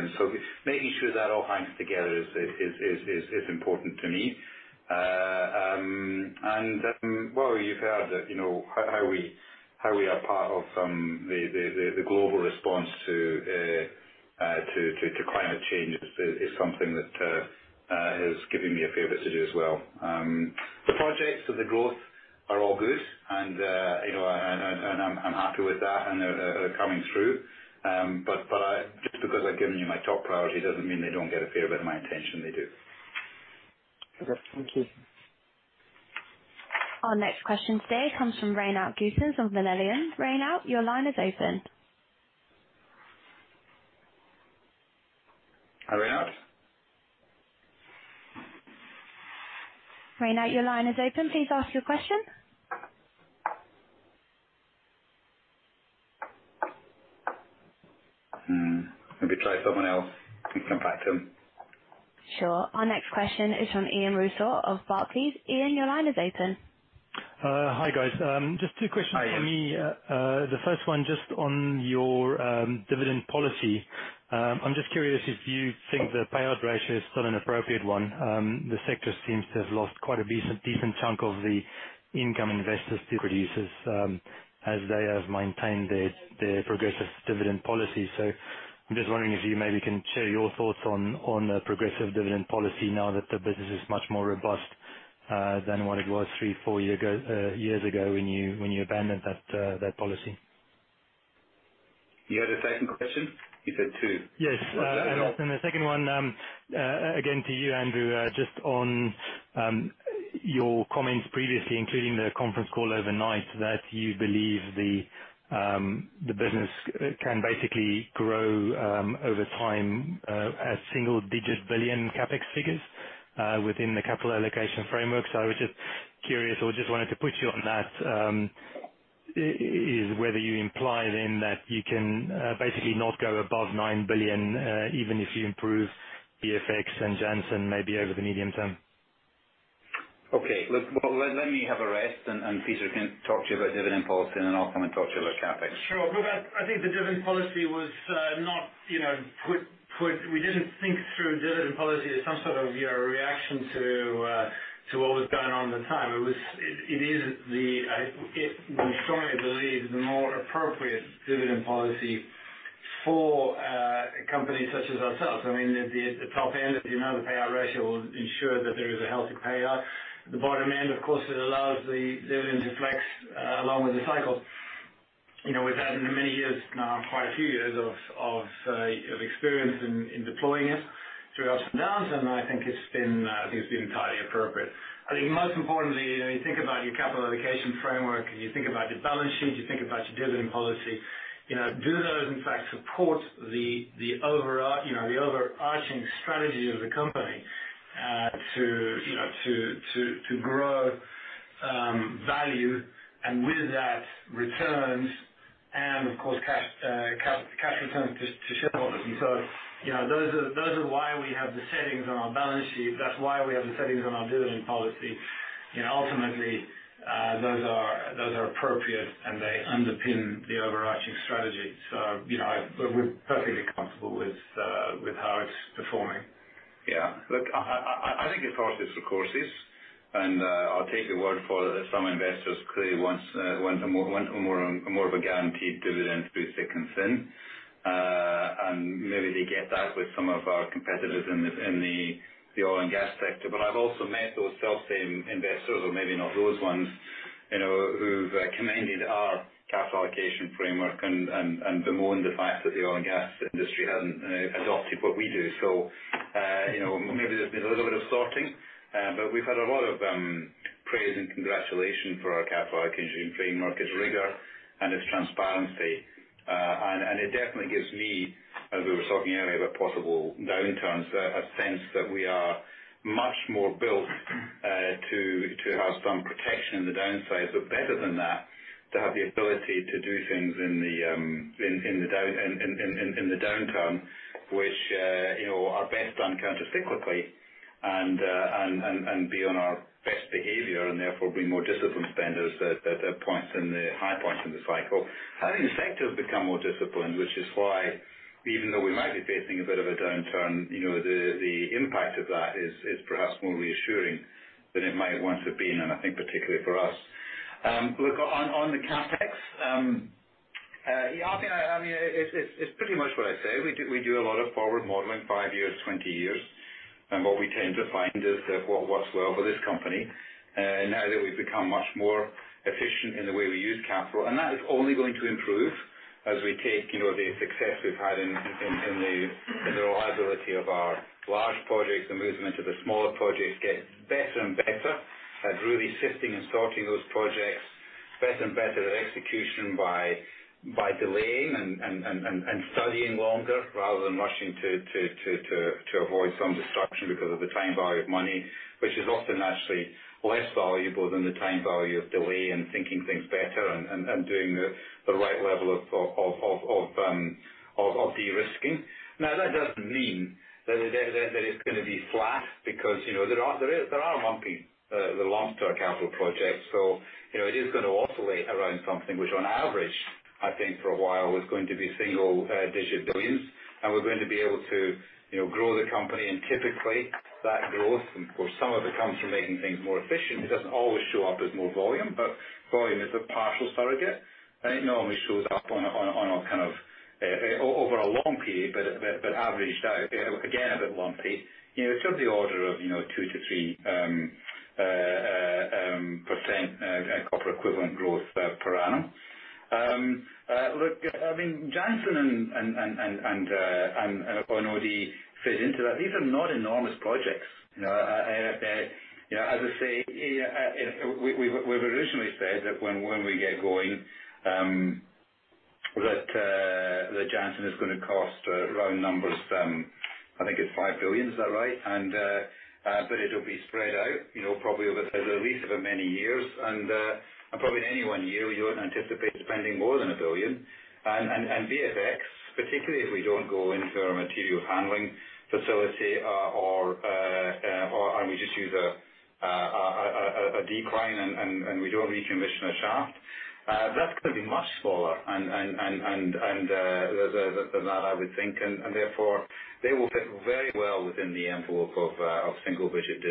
Making sure that all hangs together is important to me. Well, you've heard that how we are part of the global response to climate change is something that has given me a fair bit to do as well. The projects of the growth are all good, and I'm happy with that, and they're coming through. Just because I've given you my top priority doesn't mean they don't get a fair bit of my attention. They do. Okay. Thank you. Our next question today comes from Reinout van Gové of VanEck. Reinout, your line is open. Reinout, your line is open. Please ask your question. Maybe try someone else and come back to him. Sure. Our next question is from Ian Rossouw of Barclays. Ian, your line is open. Hi, guys. Just two questions from me. Hi, Ian. The first one just on your dividend policy. I'm just curious if you think the payout ratio is still an appropriate one. The sector seems to have lost quite a decent chunk of the income investors to producers as they have maintained their progressive dividend policy. I'm just wondering if you maybe can share your thoughts on a progressive dividend policy now that the business is much more robust, than what it was three, four years ago when you abandoned that policy? You had a second question? You said two. Yes. What was that one? The second one, again to you, Andrew, just on your comments previously, including the conference call overnight, that you believe the business can basically grow over time as single digit billion CapEx figures within the capital allocation framework. I was just curious or just wanted to put you on that, is whether you imply then that you can basically not go above $9 billion, even if you improve BFX and Jansen maybe over the medium term. Okay. Look, let me have a rest. Peter can talk to you about dividend policy. Then I'll come and talk to you about CapEx. Sure. Look, I think the dividend policy. We didn't think through dividend policy as some sort of reaction to what was going on at the time. We strongly believe the more appropriate dividend policy for companies such as ourselves, I mean, at the top end, the payout ratio will ensure that there is a healthy payout. At the bottom end, of course, it allows the dividend to flex along with the cycle. We've had many years now, quite a few years of experience in deploying it through ups and downs. I think it's been entirely appropriate. I think most importantly, when you think about your capital allocation framework and you think about your balance sheet, you think about your dividend policy, do those in fact support the overarching strategy of the company to grow value and with that returns and, of course, cash returns to shareholders? Those are why we have the settings on our balance sheet. That's why we have the settings on our dividend policy. Ultimately, those are appropriate, and they underpin the overarching strategy. We're perfectly comfortable with how it's performing. Yeah. Look, I think it's horses for courses. I'll take your word for it that some investors clearly want more of a guaranteed dividend to soothe their concern. Maybe they get that with some of our competitors in the oil and gas sector. I've also met those selfsame investors, or maybe not those ones, who've commended our capital allocation framework and bemoaned the fact that the oil and gas industry hasn't adopted what we do. Maybe there's been a little bit of sorting. We've had a lot of praise and congratulations for our capital allocation framework, its rigor, and its transparency. It definitely gives me, as we were talking earlier, about possible downturns, a sense that we are much more built to have some protection in the downsides. Better than that, to have the ability to do things in the downturn which are best done countercyclically and be on our best behavior and therefore be more disciplined spenders at high points in the cycle. I think the sector has become more disciplined, which is why even though we might be facing a bit of a downturn, the impact of that is perhaps more reassuring than it might once have been, and I think particularly for us. Look, on the CapEx, it's pretty much what I say. We do a lot of forward modeling, five years, 20 years. What we tend to find is that what works well for this company, now that we've become much more efficient in the way we use capital. That is only going to improve as we take the success we've had in the reliability of our large projects and moving them to the smaller projects get better and better at really sifting and sorting those projects. Better and better at execution by delaying and studying longer rather than rushing to avoid some disruption because of the time value of money, which is often actually less valuable than the time value of delay and thinking things better and doing the right level of de-risking. That doesn't mean that it's going to be flat because there are lumpy, the long-term capital projects. It is going to oscillate around something which on average, I think for a while, is going to be $single-digit billions. We're going to be able to grow the company. Typically, that growth, of course, some of it comes from making things more efficient. It doesn't always show up as more volume is a partial surrogate. It normally shows up over a long period, averaged out, again, a bit lumpy. It's of the order of 2%-3% copper equivalent growth per annum. Look, I mean, Jansen and Oyu Tolgoi fed into that. These are not enormous projects. As I say, we've originally said that when we get going Jansen is going to cost, round numbers, I think it's 5 billion. Is that right? It'll be spread out probably at least over many years. Probably in any one year, you wouldn't anticipate spending more than 1 billion. BFX, particularly if we don't go into a material handling facility or we just use a decline and we don't recommission a shaft, that's going to be much smaller than that, I would think. Therefore, they will fit very well within the envelope of single-digit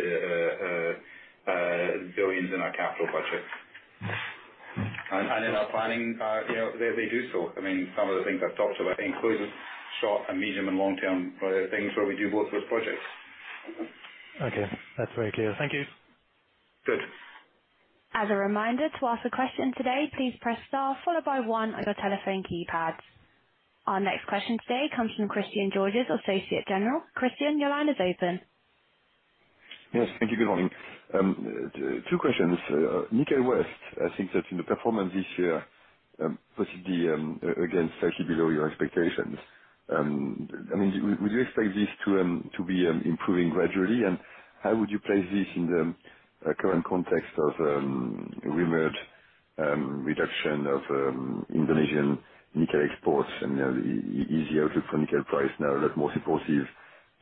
billions in our capital budget. In our planning, they do so. Some of the things I've talked about, including short and medium and long-term, there are things where we do both those projects. Okay. That's very clear. Thank you. Good. As a reminder, to ask a question today, please press star followed by one on your telephone keypad. Our next question today comes from Christian Georges, Société Générale. Christian, your line is open. Yes. Thank you. Good morning. Two questions. Nickel West, I think that in the performance this year, possibly, again, slightly below your expectations. Would you expect this to be improving gradually, and how would you place this in the current context of remerged reduction of Indonesian nickel exports and a higher nickel price now a lot more supportive,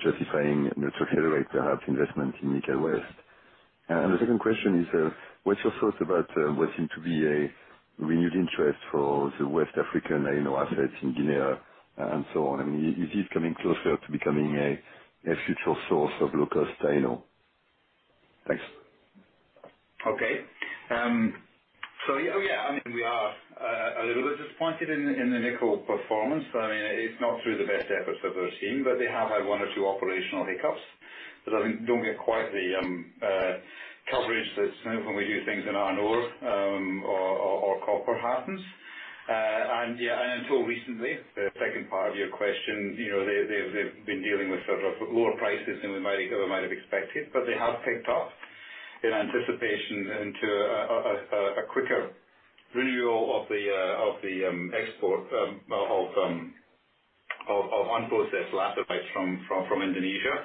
justifying to accelerate perhaps investment in Nickel West? The second question is, what's your thoughts about what seemed to be a renewed interest for the West African inaudible assets in Guinea and so on? Is this coming closer to becoming a future source of low cost inaudible? Thanks. Okay. Yeah, we are a little bit disappointed in the nickel performance. It's not through the best efforts of their team, but they have had one or two operational hiccups that I think don't get quite the coverage that when we do things in iron ore or copper happens. Until recently, the second part of your question, they've been dealing with lower prices than we might have expected, but they have picked up in anticipation into a quicker renewal of the export of unprocessed laterites from Indonesia.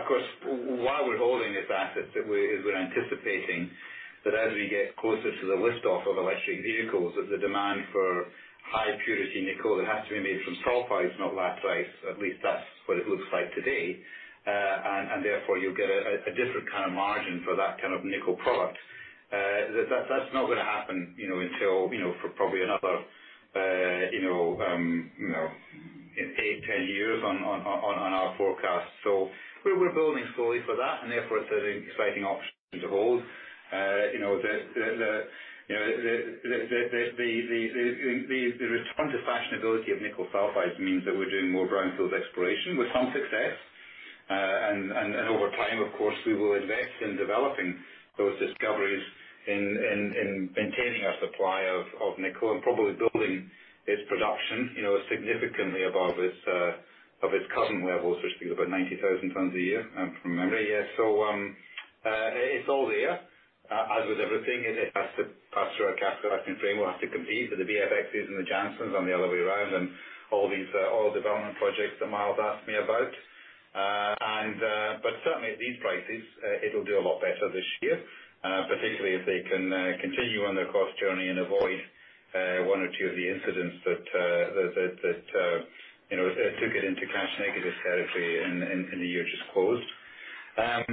Of course, while we're holding this asset, we're anticipating that as we get closer to the lift-off of electric vehicles, that the demand for high-purity nickel that has to be made from sulfides, not laterites, at least that's what it looks like today. Therefore, you'll get a different kind of margin for that kind of nickel product. That's not going to happen until for probably another eight, 10 years on our forecast. We're building slowly for that, and therefore it's an exciting option to hold. The return to fashionability of nickel sulfides means that we're doing more brownfields exploration with some success. Over time, of course, we will invest in developing those discoveries in maintaining our supply of nickel and probably building its production significantly above its current levels, which is about 90,000 tons a year from memory. Yeah. It's all there, as with everything, it has to pass through our capital allocation framework, has to compete with the BFXs and the Jansens on the other way around, and all development projects that Myles asked me about. Certainly at these prices, it'll do a lot better this year, particularly if they can continue on their cost journey and avoid one or two of the incidents that took it into cash negative territory in the year just closed. I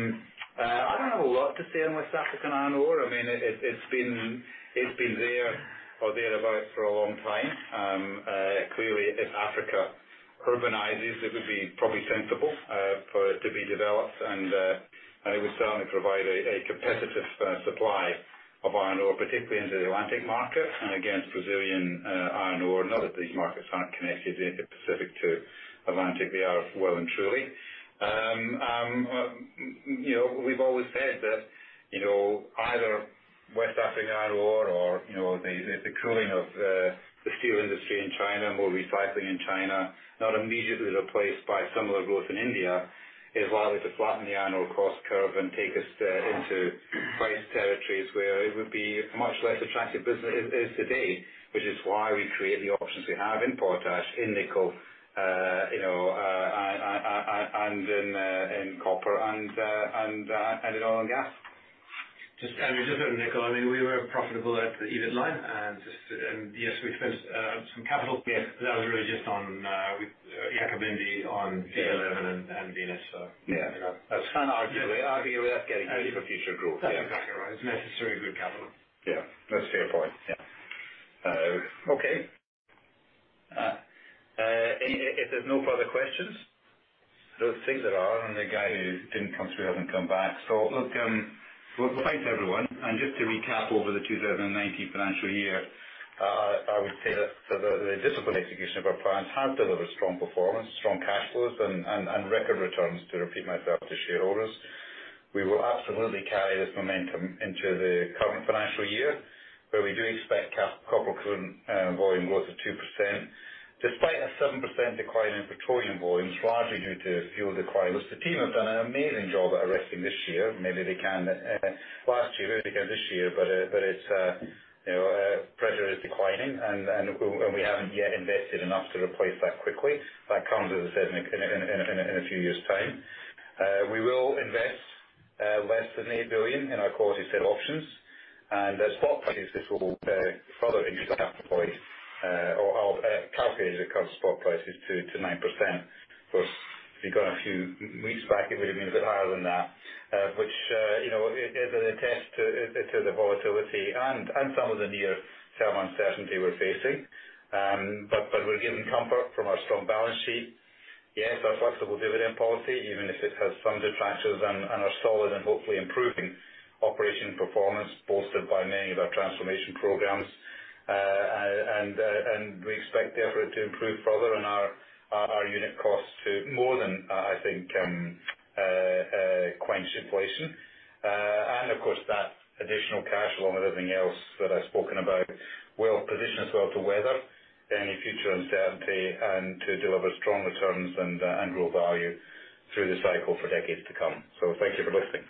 don't have a lot to say on West African iron ore. It's been there or there about for a long time. If Africa urbanizes, it would be probably sensible for it to be developed, and it would certainly provide a competitive supply of iron ore, particularly into the Atlantic market and against Brazilian iron ore. These markets aren't connected, the Pacific to Atlantic. They are well and truly. We've always said that either West African iron ore or the cooling of the steel industry in China, more recycling in China, not immediately replaced by similar growth in India, is likely to flatten the iron ore cost curve and take us into price territories where it would be much less attractive business as it is today, which is why we create the options we have in potash, in nickel, and in copper and in oil and gas. Just on nickel, we were profitable at the EBIT line. Yes, we spent some capital. Yes That was really just on Yakabindie on P11 and Venus. Yeah. That's fine. Arguably, that's getting ready for future growth. That's exactly right. It's necessary good capital. Yeah. That's a fair point. Yeah. Okay. If there's no further questions. I think there are, the guy who didn't come through hasn't come back. Look, thanks, everyone. Just to recap over the 2019 financial year, I would say that the disciplined execution of our plans have delivered strong performance, strong cash flows, and record returns, to repeat myself, to shareholders. We will absolutely carry this momentum into the current financial year, where we do expect copper current volume growth of 2%, despite a 7% decline in petroleum volumes, largely due to fuel declines. The team have done an amazing job at arresting this year. Maybe they can last year, maybe they can this year. Pressure is declining, and we haven't yet invested enough to replace that quickly. That comes, as I said, in a few years' time. We will invest less than $8 billion in our quality set options. The spot prices, this will further increase our cap rate or calculate the current spot prices to 9%. Of course, if you got a few weeks back, it would have been a bit higher than that, which is an attest to the volatility and some of the near-term uncertainty we're facing. We're given comfort from our strong balance sheet. Our flexible dividend policy, even if it has some detractors, and our solid and hopefully improving operation performance bolstered by many of our transformation programs. We expect therefore to improve further on our unit costs to more than, I think, quench inflation. Of course, that additional cash, along with everything else that I've spoken about, will position us well to weather any future uncertainty and to deliver strong returns and grow value through the cycle for decades to come. Thank you for listening.